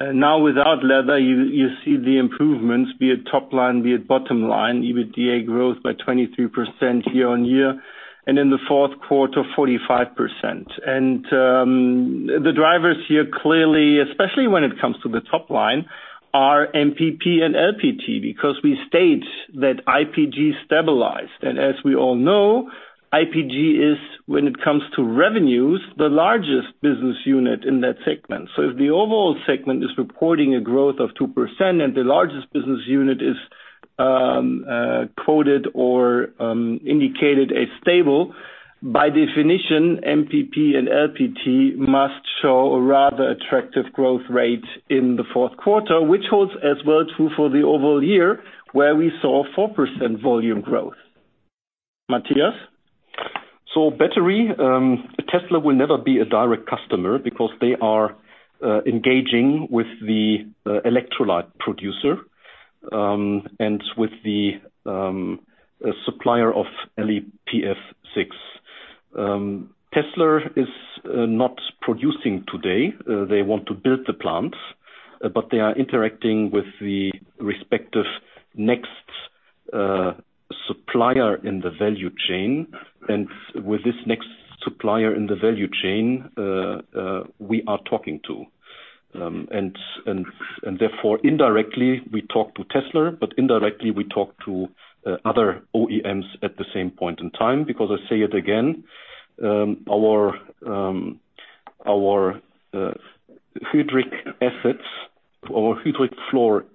Now, without leather, you see the improvements, be it top line, be it bottom line, EBITDA growth by 23% year-on-year. In the fourth quarter, 45%. The drivers here clearly, especially when it comes to the top line, are MPP and LPT, because we state that IPG stabilized. As we all know, IPG is, when it comes to revenues, the largest business unit in that segment. If the overall segment is reporting a growth of 2% and the largest business unit is quoted or indicated as stable, by definition, MPP and LPT must show a rather attractive growth rate in the fourth quarter, which holds as well, too, for the overall year, where we saw 4% volume growth. Matthias? Battery, Tesla will never be a direct customer because they are engaging with the electrolyte producer, and with the supplier of LiPF6. Tesla is not producing today. They want to build the plant, they are interacting with the respective next supplier in the value chain. With this next supplier in the value chain, we are talking to. Therefore indirectly, we talk to Tesla, but indirectly we talk to other OEMs at the same point in time because I say it again, our hydrofluoric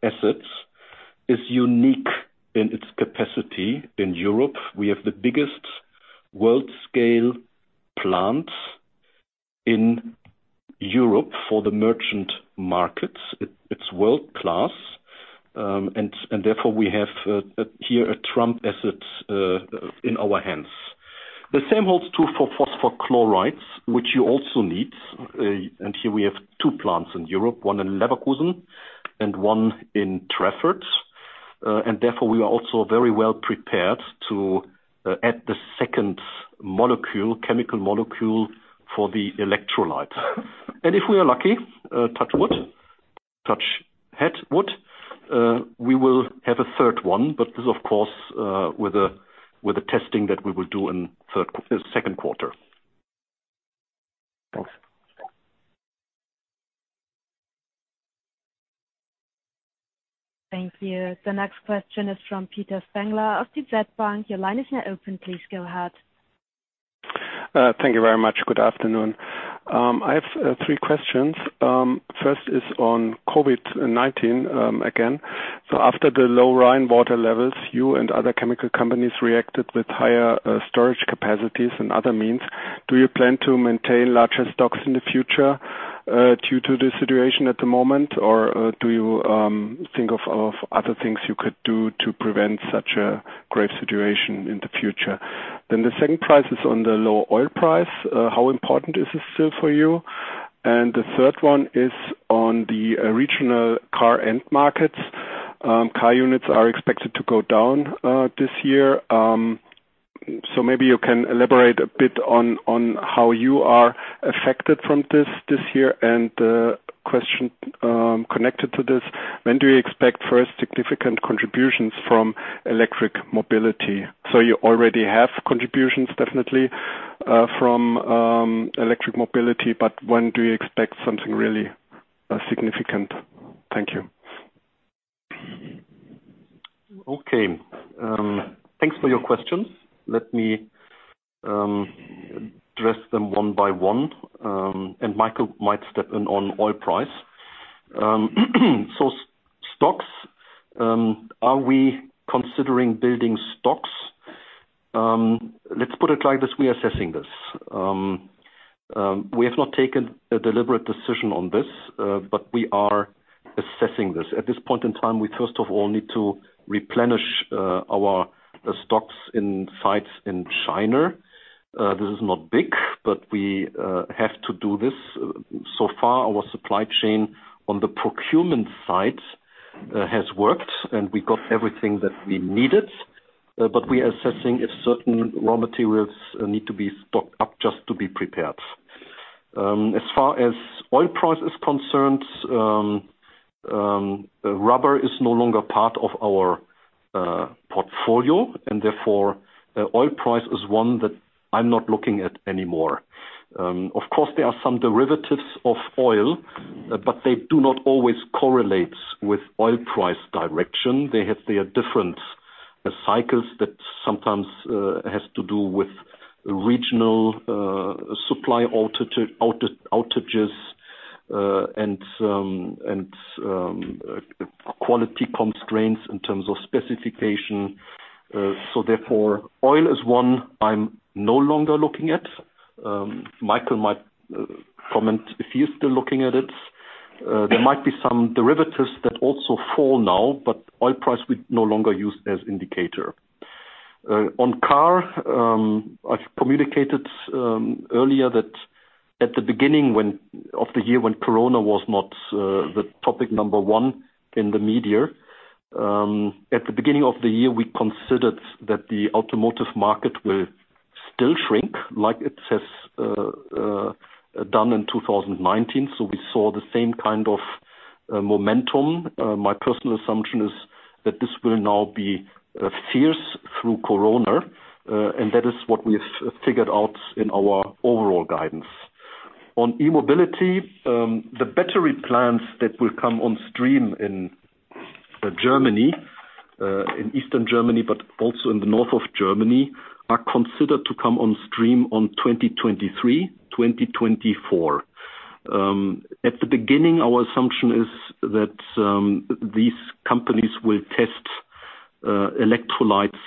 acid is unique in its capacity in Europe. We have the biggest world-scale plant in Europe for the merchant markets. It's world-class. Therefore we have here a trump asset in our hands. The same holds true for phosphorus chlorides, which you also need, and here we have two plants in Europe, one in Leverkusen and one in Trafford. Therefore we are also very well prepared to add the second chemical molecule for the electrolyte. If we are lucky, touch wood. We will have a third one, but this, of course, with the testing that we will do in second quarter. Thanks. Thank you. The next question is from Peter Spengler of DZ Bank. Your line is now open. Please go ahead. Thank you very much. Good afternoon. I have three questions. First is on COVID-19. After the low Rhine water levels, you and other chemical companies reacted with higher storage capacities and other means. Do you plan to maintain larger stocks in the future, due to the situation at the moment? Do you think of other things you could do to prevent such a grave situation in the future? The second question is on the low oil price. How important is this still for you? The third one is on the regional car end markets. Car units are expected to go down this year. Maybe you can elaborate a bit on how you are affected from this this year. The question connected to this, when do you expect first significant contributions from electric mobility? You already have contributions, definitely, from e-mobility, but when do you expect something really significant? Thank you. Okay. Thanks for your questions. Let me address them one by one. Michael might step in on oil price. Stocks. Are we considering building stocks? Let's put it like this, we are assessing this. We have not taken a deliberate decision on this, but we are assessing this. At this point in time, we first of all need to replenish our stocks in sites in China. This is not big, but we have to do this. So far, our supply chain on the procurement side has worked, and we got everything that we needed. We are assessing if certain raw materials need to be stocked up just to be prepared. As far as oil price is concerned, rubber is no longer part of our portfolio and therefore, oil price is one that I'm not looking at anymore. Of course, there are some derivatives of oil, but they do not always correlate with oil price direction. They have their different cycles that sometimes has to do with regional supply outages and quality constraints in terms of specification. Therefore, oil is one I'm no longer looking at. Michael might comment if he's still looking at it. There might be some derivatives that also fall now, but oil price we no longer use as indicator. On car, I've communicated earlier that at the beginning of the year when Corona was not the topic number one in the media. At the beginning of the year, we considered that the automotive market will still shrink like it has done in 2019. We saw the same kind of momentum. My personal assumption is that this will now be fierce through Corona, and that is what we have figured out in our overall guidance. On e-mobility, the battery plans that will come on stream in Germany, in Eastern Germany, but also in the north of Germany, are considered to come on stream on 2023, 2024. At the beginning, our assumption is that these companies will test electrolytes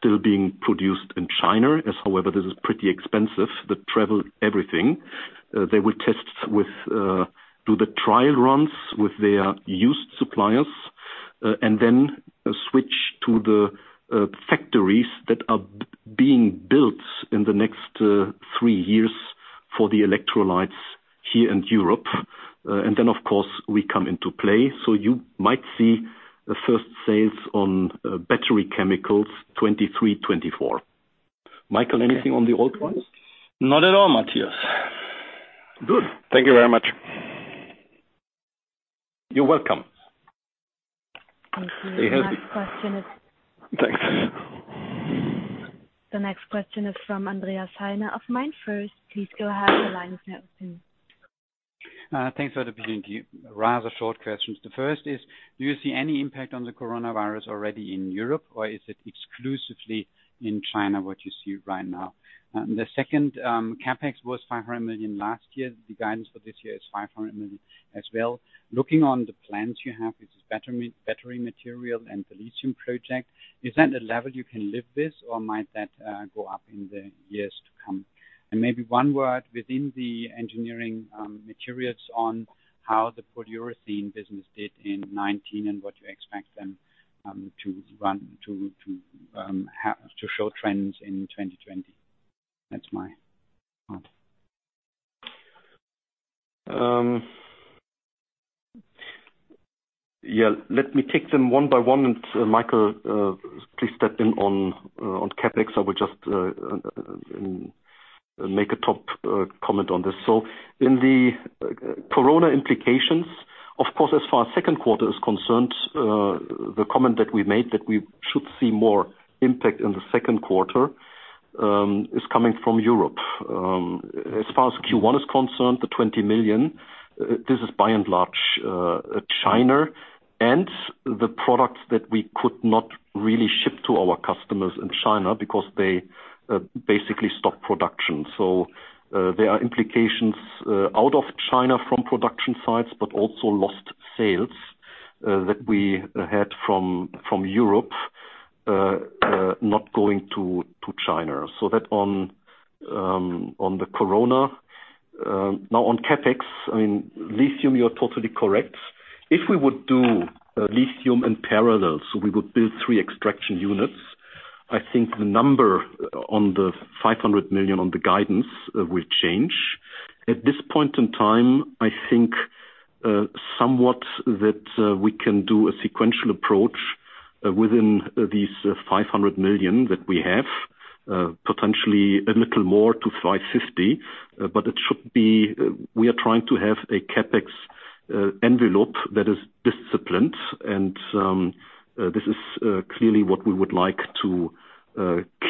still being produced in China, as however, this is pretty expensive, the travel, everything. They will test, do the trial runs with their used suppliers, and then switch to the factories that are being built in the next three years for the electrolytes here in Europe. Of course, we come into play. You might see the first sales on battery chemicals 2023, 2024. Michael, anything on the oil price? Not at all, Matthias. Good. Thank you very much. You're welcome. Thank you. The next question is. Thanks. The next question is from Andreas Heine of MainFirst. Please go ahead. Your line is now open. Thanks for the opportunity. Rather short questions. The first is, do you see any impact on the Coronavirus already in Europe, or is it exclusively in China what you see right now? The second, CapEx was 500 million last year. The guidance for this year is 500 million as well. Looking on the plans you have with this battery material and the lithium project, is that a level you can live this or might that go up in the years to come? Maybe one word within the Engineering Materials on how the polyurethane business did in 2019 and what you expect them to show trends in 2020. That's my part. Yeah. Let me take them one by one and Michael, please step in on CapEx. I will just make a top comment on this. In the Corona implications, of course, as far as second quarter is concerned, the comment that we made that we should see more impact in the second quarter, is coming from Europe. As far as Q1 is concerned, the 20 million, this is by and large, China and the products that we could not really ship to our customers in China because they basically stopped production. There are implications out of China from production sites, but also lost sales that we had from Europe not going to China. That on the Corona. Now on CapEx, lithium, you're totally correct. If we would do lithium in parallel, we would build three extraction units, I think the number on the 500 million on the guidance will change. At this point in time, I think, somewhat that we can do a sequential approach within these 500 million that we have, potentially a little more to 550, we are trying to have a CapEx envelope that is disciplined and this is clearly what we would like to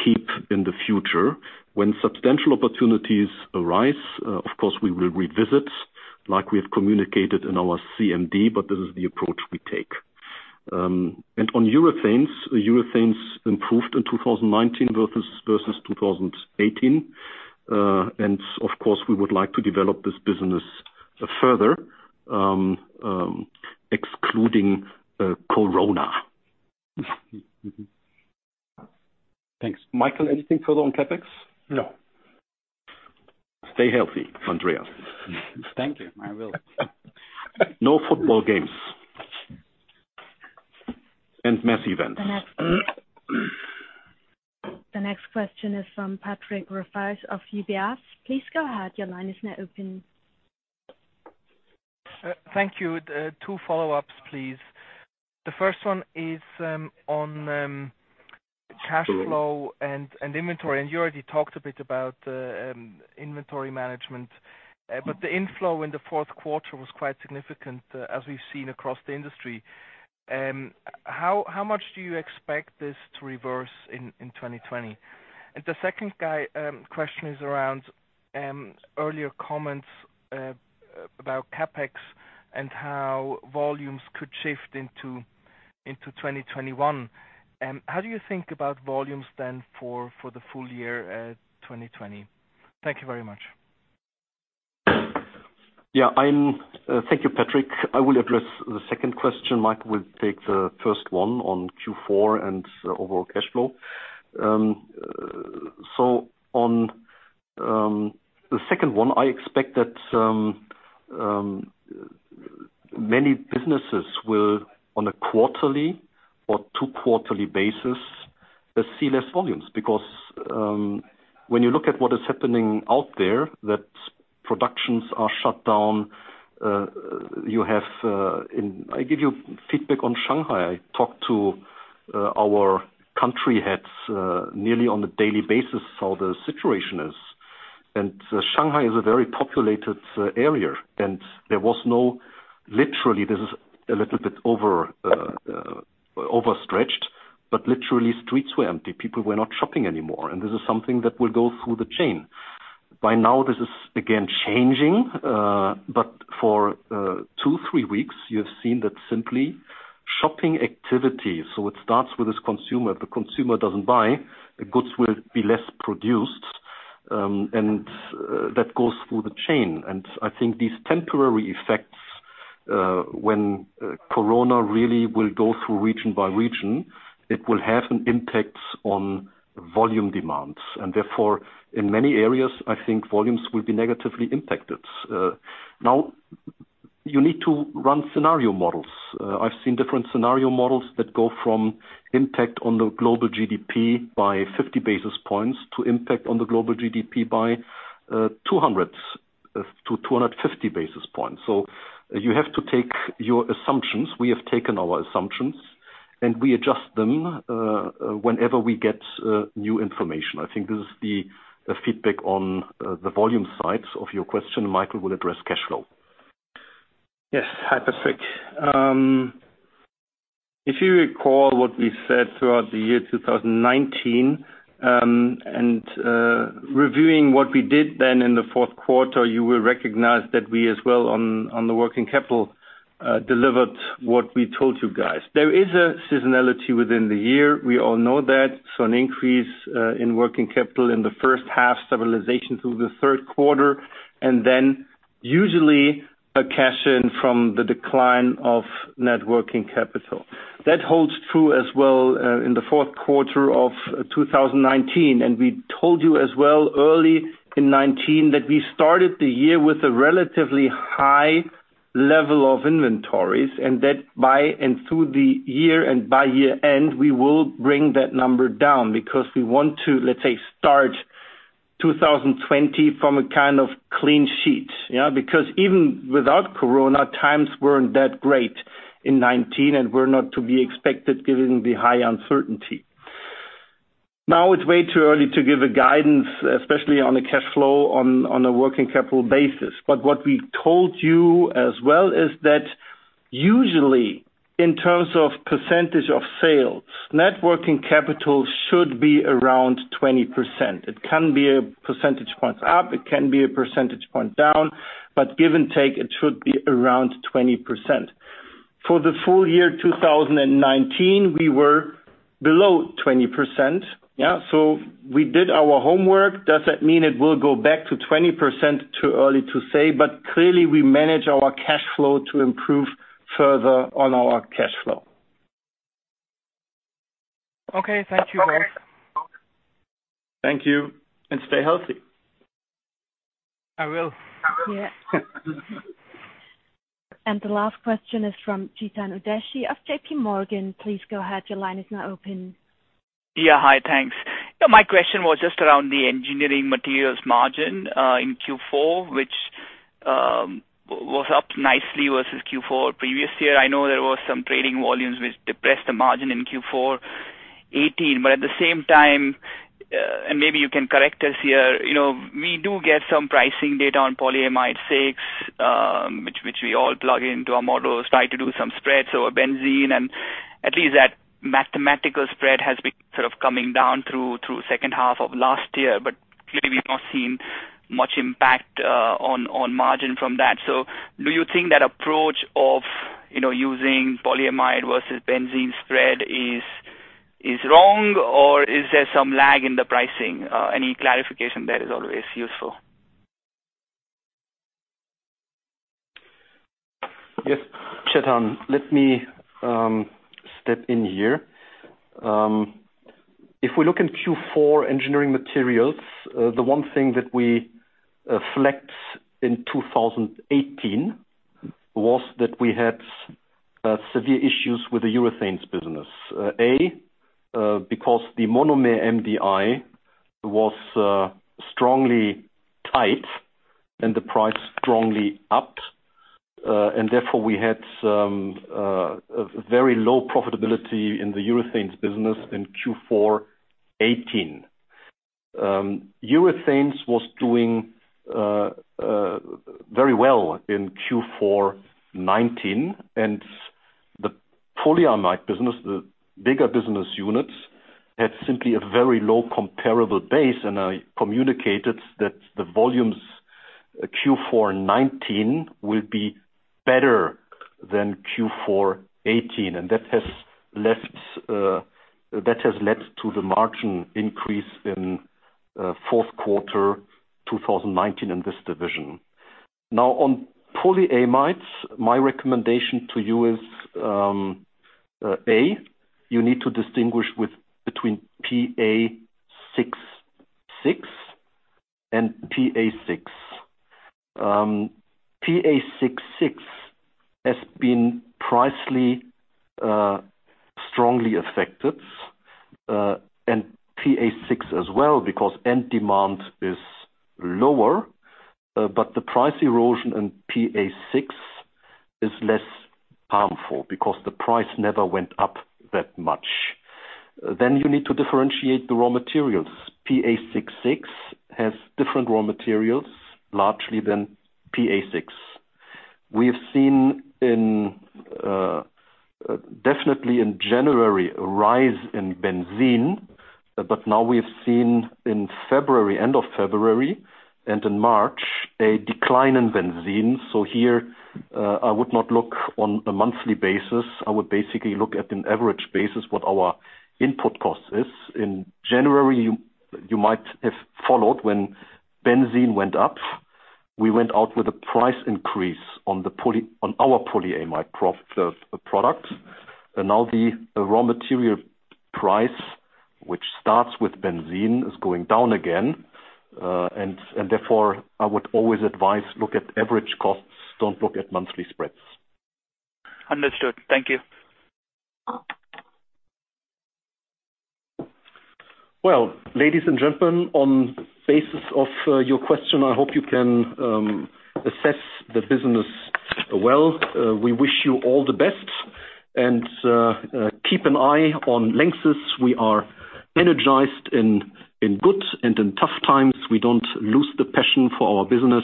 keep in the future. When substantial opportunities arise, of course, we will revisit, like we have communicated in our CMD, this is the approach we take. On Urethane Systems, Urethane Systems improved in 2019 versus 2018. Of course, we would like to develop this business further, excluding Corona. Thanks. Michael, anything further on CapEx? No. Stay healthy, Andreas. Thank you. I will. No football games and mass events. The next question is from Patrick Rafaisz of UBS. Please go ahead. Your line is now open. Thank you. Two follow-ups, please. The first one is on cash flow and inventory, and you already talked a bit about the inventory management. The inflow in the fourth quarter was quite significant, as we've seen across the industry. How much do you expect this to reverse in 2020? The second question is around earlier comments about CapEx and how volumes could shift into 2021. How do you think about volumes then for the full year 2020? Thank you very much. Yeah. Thank you, Patrick. I will address the second question. Michael will take the first one on Q4 and overall cash flow. On the second one, I expect that many businesses will, on a quarterly or two quarterly basis, see less volumes. Because when you look at what is happening out there, that productions are shut down. I give you feedback on Shanghai. I talk to our country heads nearly on a daily basis how the situation is. Shanghai is a very populated area and there was no, literally, this is a little bit overstretched, but literally streets were empty. People were not shopping anymore, and this is something that will go through the chain. By now, this is again changing, but for two, three weeks you have seen that simply shopping activity. It starts with this consumer. The consumer doesn't buy, the goods will be less produced, and that goes through the chain. I think these temporary effects, when Corona really will go through region by region, it will have an impact on volume demands. Therefore, in many areas, I think volumes will be negatively impacted. Now you need to run scenario models. I've seen different scenario models that go from impact on the global GDP by 50 basis points to impact on the global GDP by 200-250 basis points. You have to take your assumptions. We have taken our assumptions, and we adjust them whenever we get new information. I think this is the feedback on the volume sides of your question. Michael will address cash flow. Yes. Hi, Patrick. If you recall what we said throughout the year 2019, and reviewing what we did then in the fourth quarter, you will recognize that we as well on the working capital, delivered what we told you guys. There is a seasonality within the year. We all know that. An increase in working capital in the first half, stabilization through the third quarter, and then usually a cash-in from the decline of net working capital. That holds true as well in the fourth quarter of 2019. We told you as well early in 2019, that we started the year with a relatively high level of inventories and that by and through the year and by year-end, we will bring that number down because we want to, let's say, start 2020 from a kind of clean sheet. Even without COVID, times weren't that great in 2019 and were not to be expected given the high uncertainty. It's way too early to give a guidance, especially on a cash flow on a working capital basis. What we told you as well is that usually in terms of percentage of sales, net working capital should be around 20%. It can be a percentage point up, it can be a percentage point down, but give and take, it should be around 20%. For the full year 2019, we were below 20%. We did our homework. Does that mean it will go back to 20%? Too early to say, but clearly we manage our cash flow to improve further on our cash flow. Okay. Thank you both. Thank you, and stay healthy. I will. The last question is from Chetan Udeshi of JPMorgan. Please go ahead. Your line is now open. Hi, thanks. My question was just around the Engineering Materials margin, in Q4, which was up nicely versus Q4 previous year. I know there was some trading volumes which depressed the margin in Q4 2018. At the same time, and maybe you can correct us here, we do get some pricing data on Polyamide 6, which we all plug into our models, try to do some spreads over benzene, and at least that mathematical spread has been sort of coming down through second half of last year. Clearly we've not seen much impact on margin from that. Do you think that approach of using polyamide versus benzene spread is wrong, or is there some lag in the pricing? Any clarification there is always useful. Yes, Chetan. Let me step in here. If we look in Q4 Engineering Materials, the one thing that we reflect in 2018 was that we had severe issues with the urethanes business. A, because the monomer MDI was strongly tight and the price strongly up. Therefore, we had some very low profitability in the urethanes business in Q4 2018. Urethanes was doing very well in Q4 2019, and the polyamide business, the bigger business units, had simply a very low comparable base, and I communicated that the volumes Q4 2019 will be better than Q4 2018. That has led to the margin increase in fourth quarter 2019 in this division. Now on polyamides, my recommendation to you is, A, you need to distinguish between PA66 and PA6. PA66 has been pricely strongly affected, and PA6 as well, because end demand is lower. The price erosion in PA6 is less harmful because the price never went up that much. You need to differentiate the raw materials. PA66 has different raw materials largely than PA6. We have seen definitely in January, a rise in benzene. Now we have seen in February, end of February, and in March, a decline in benzene. Here, I would not look on a monthly basis. I would basically look at an average basis what our input cost is. In January, you might have followed when benzene went up. We went out with a price increase on our polyamide products. Now the raw material price, which starts with benzene, is going down again. Therefore, I would always advise look at average costs, don't look at monthly spreads. Understood. Thank you. Well, ladies and gentlemen, on the basis of your question, I hope you can assess the business well. We wish you all the best. Keep an eye on LANXESS. We are energized in good and in tough times. We don't lose the passion for our business.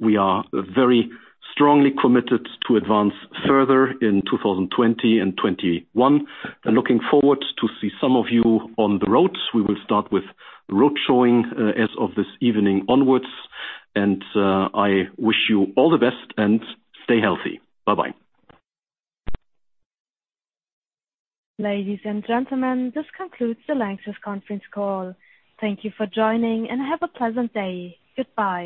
We are very strongly committed to advance further in 2020 and 2021, and looking forward to see some of you on the roads. We will start with road showing as of this evening onwards. I wish you all the best and stay healthy. Bye-bye. Ladies and gentlemen, this concludes the LANXESS conference call. Thank you for joining, and have a pleasant day. Goodbye.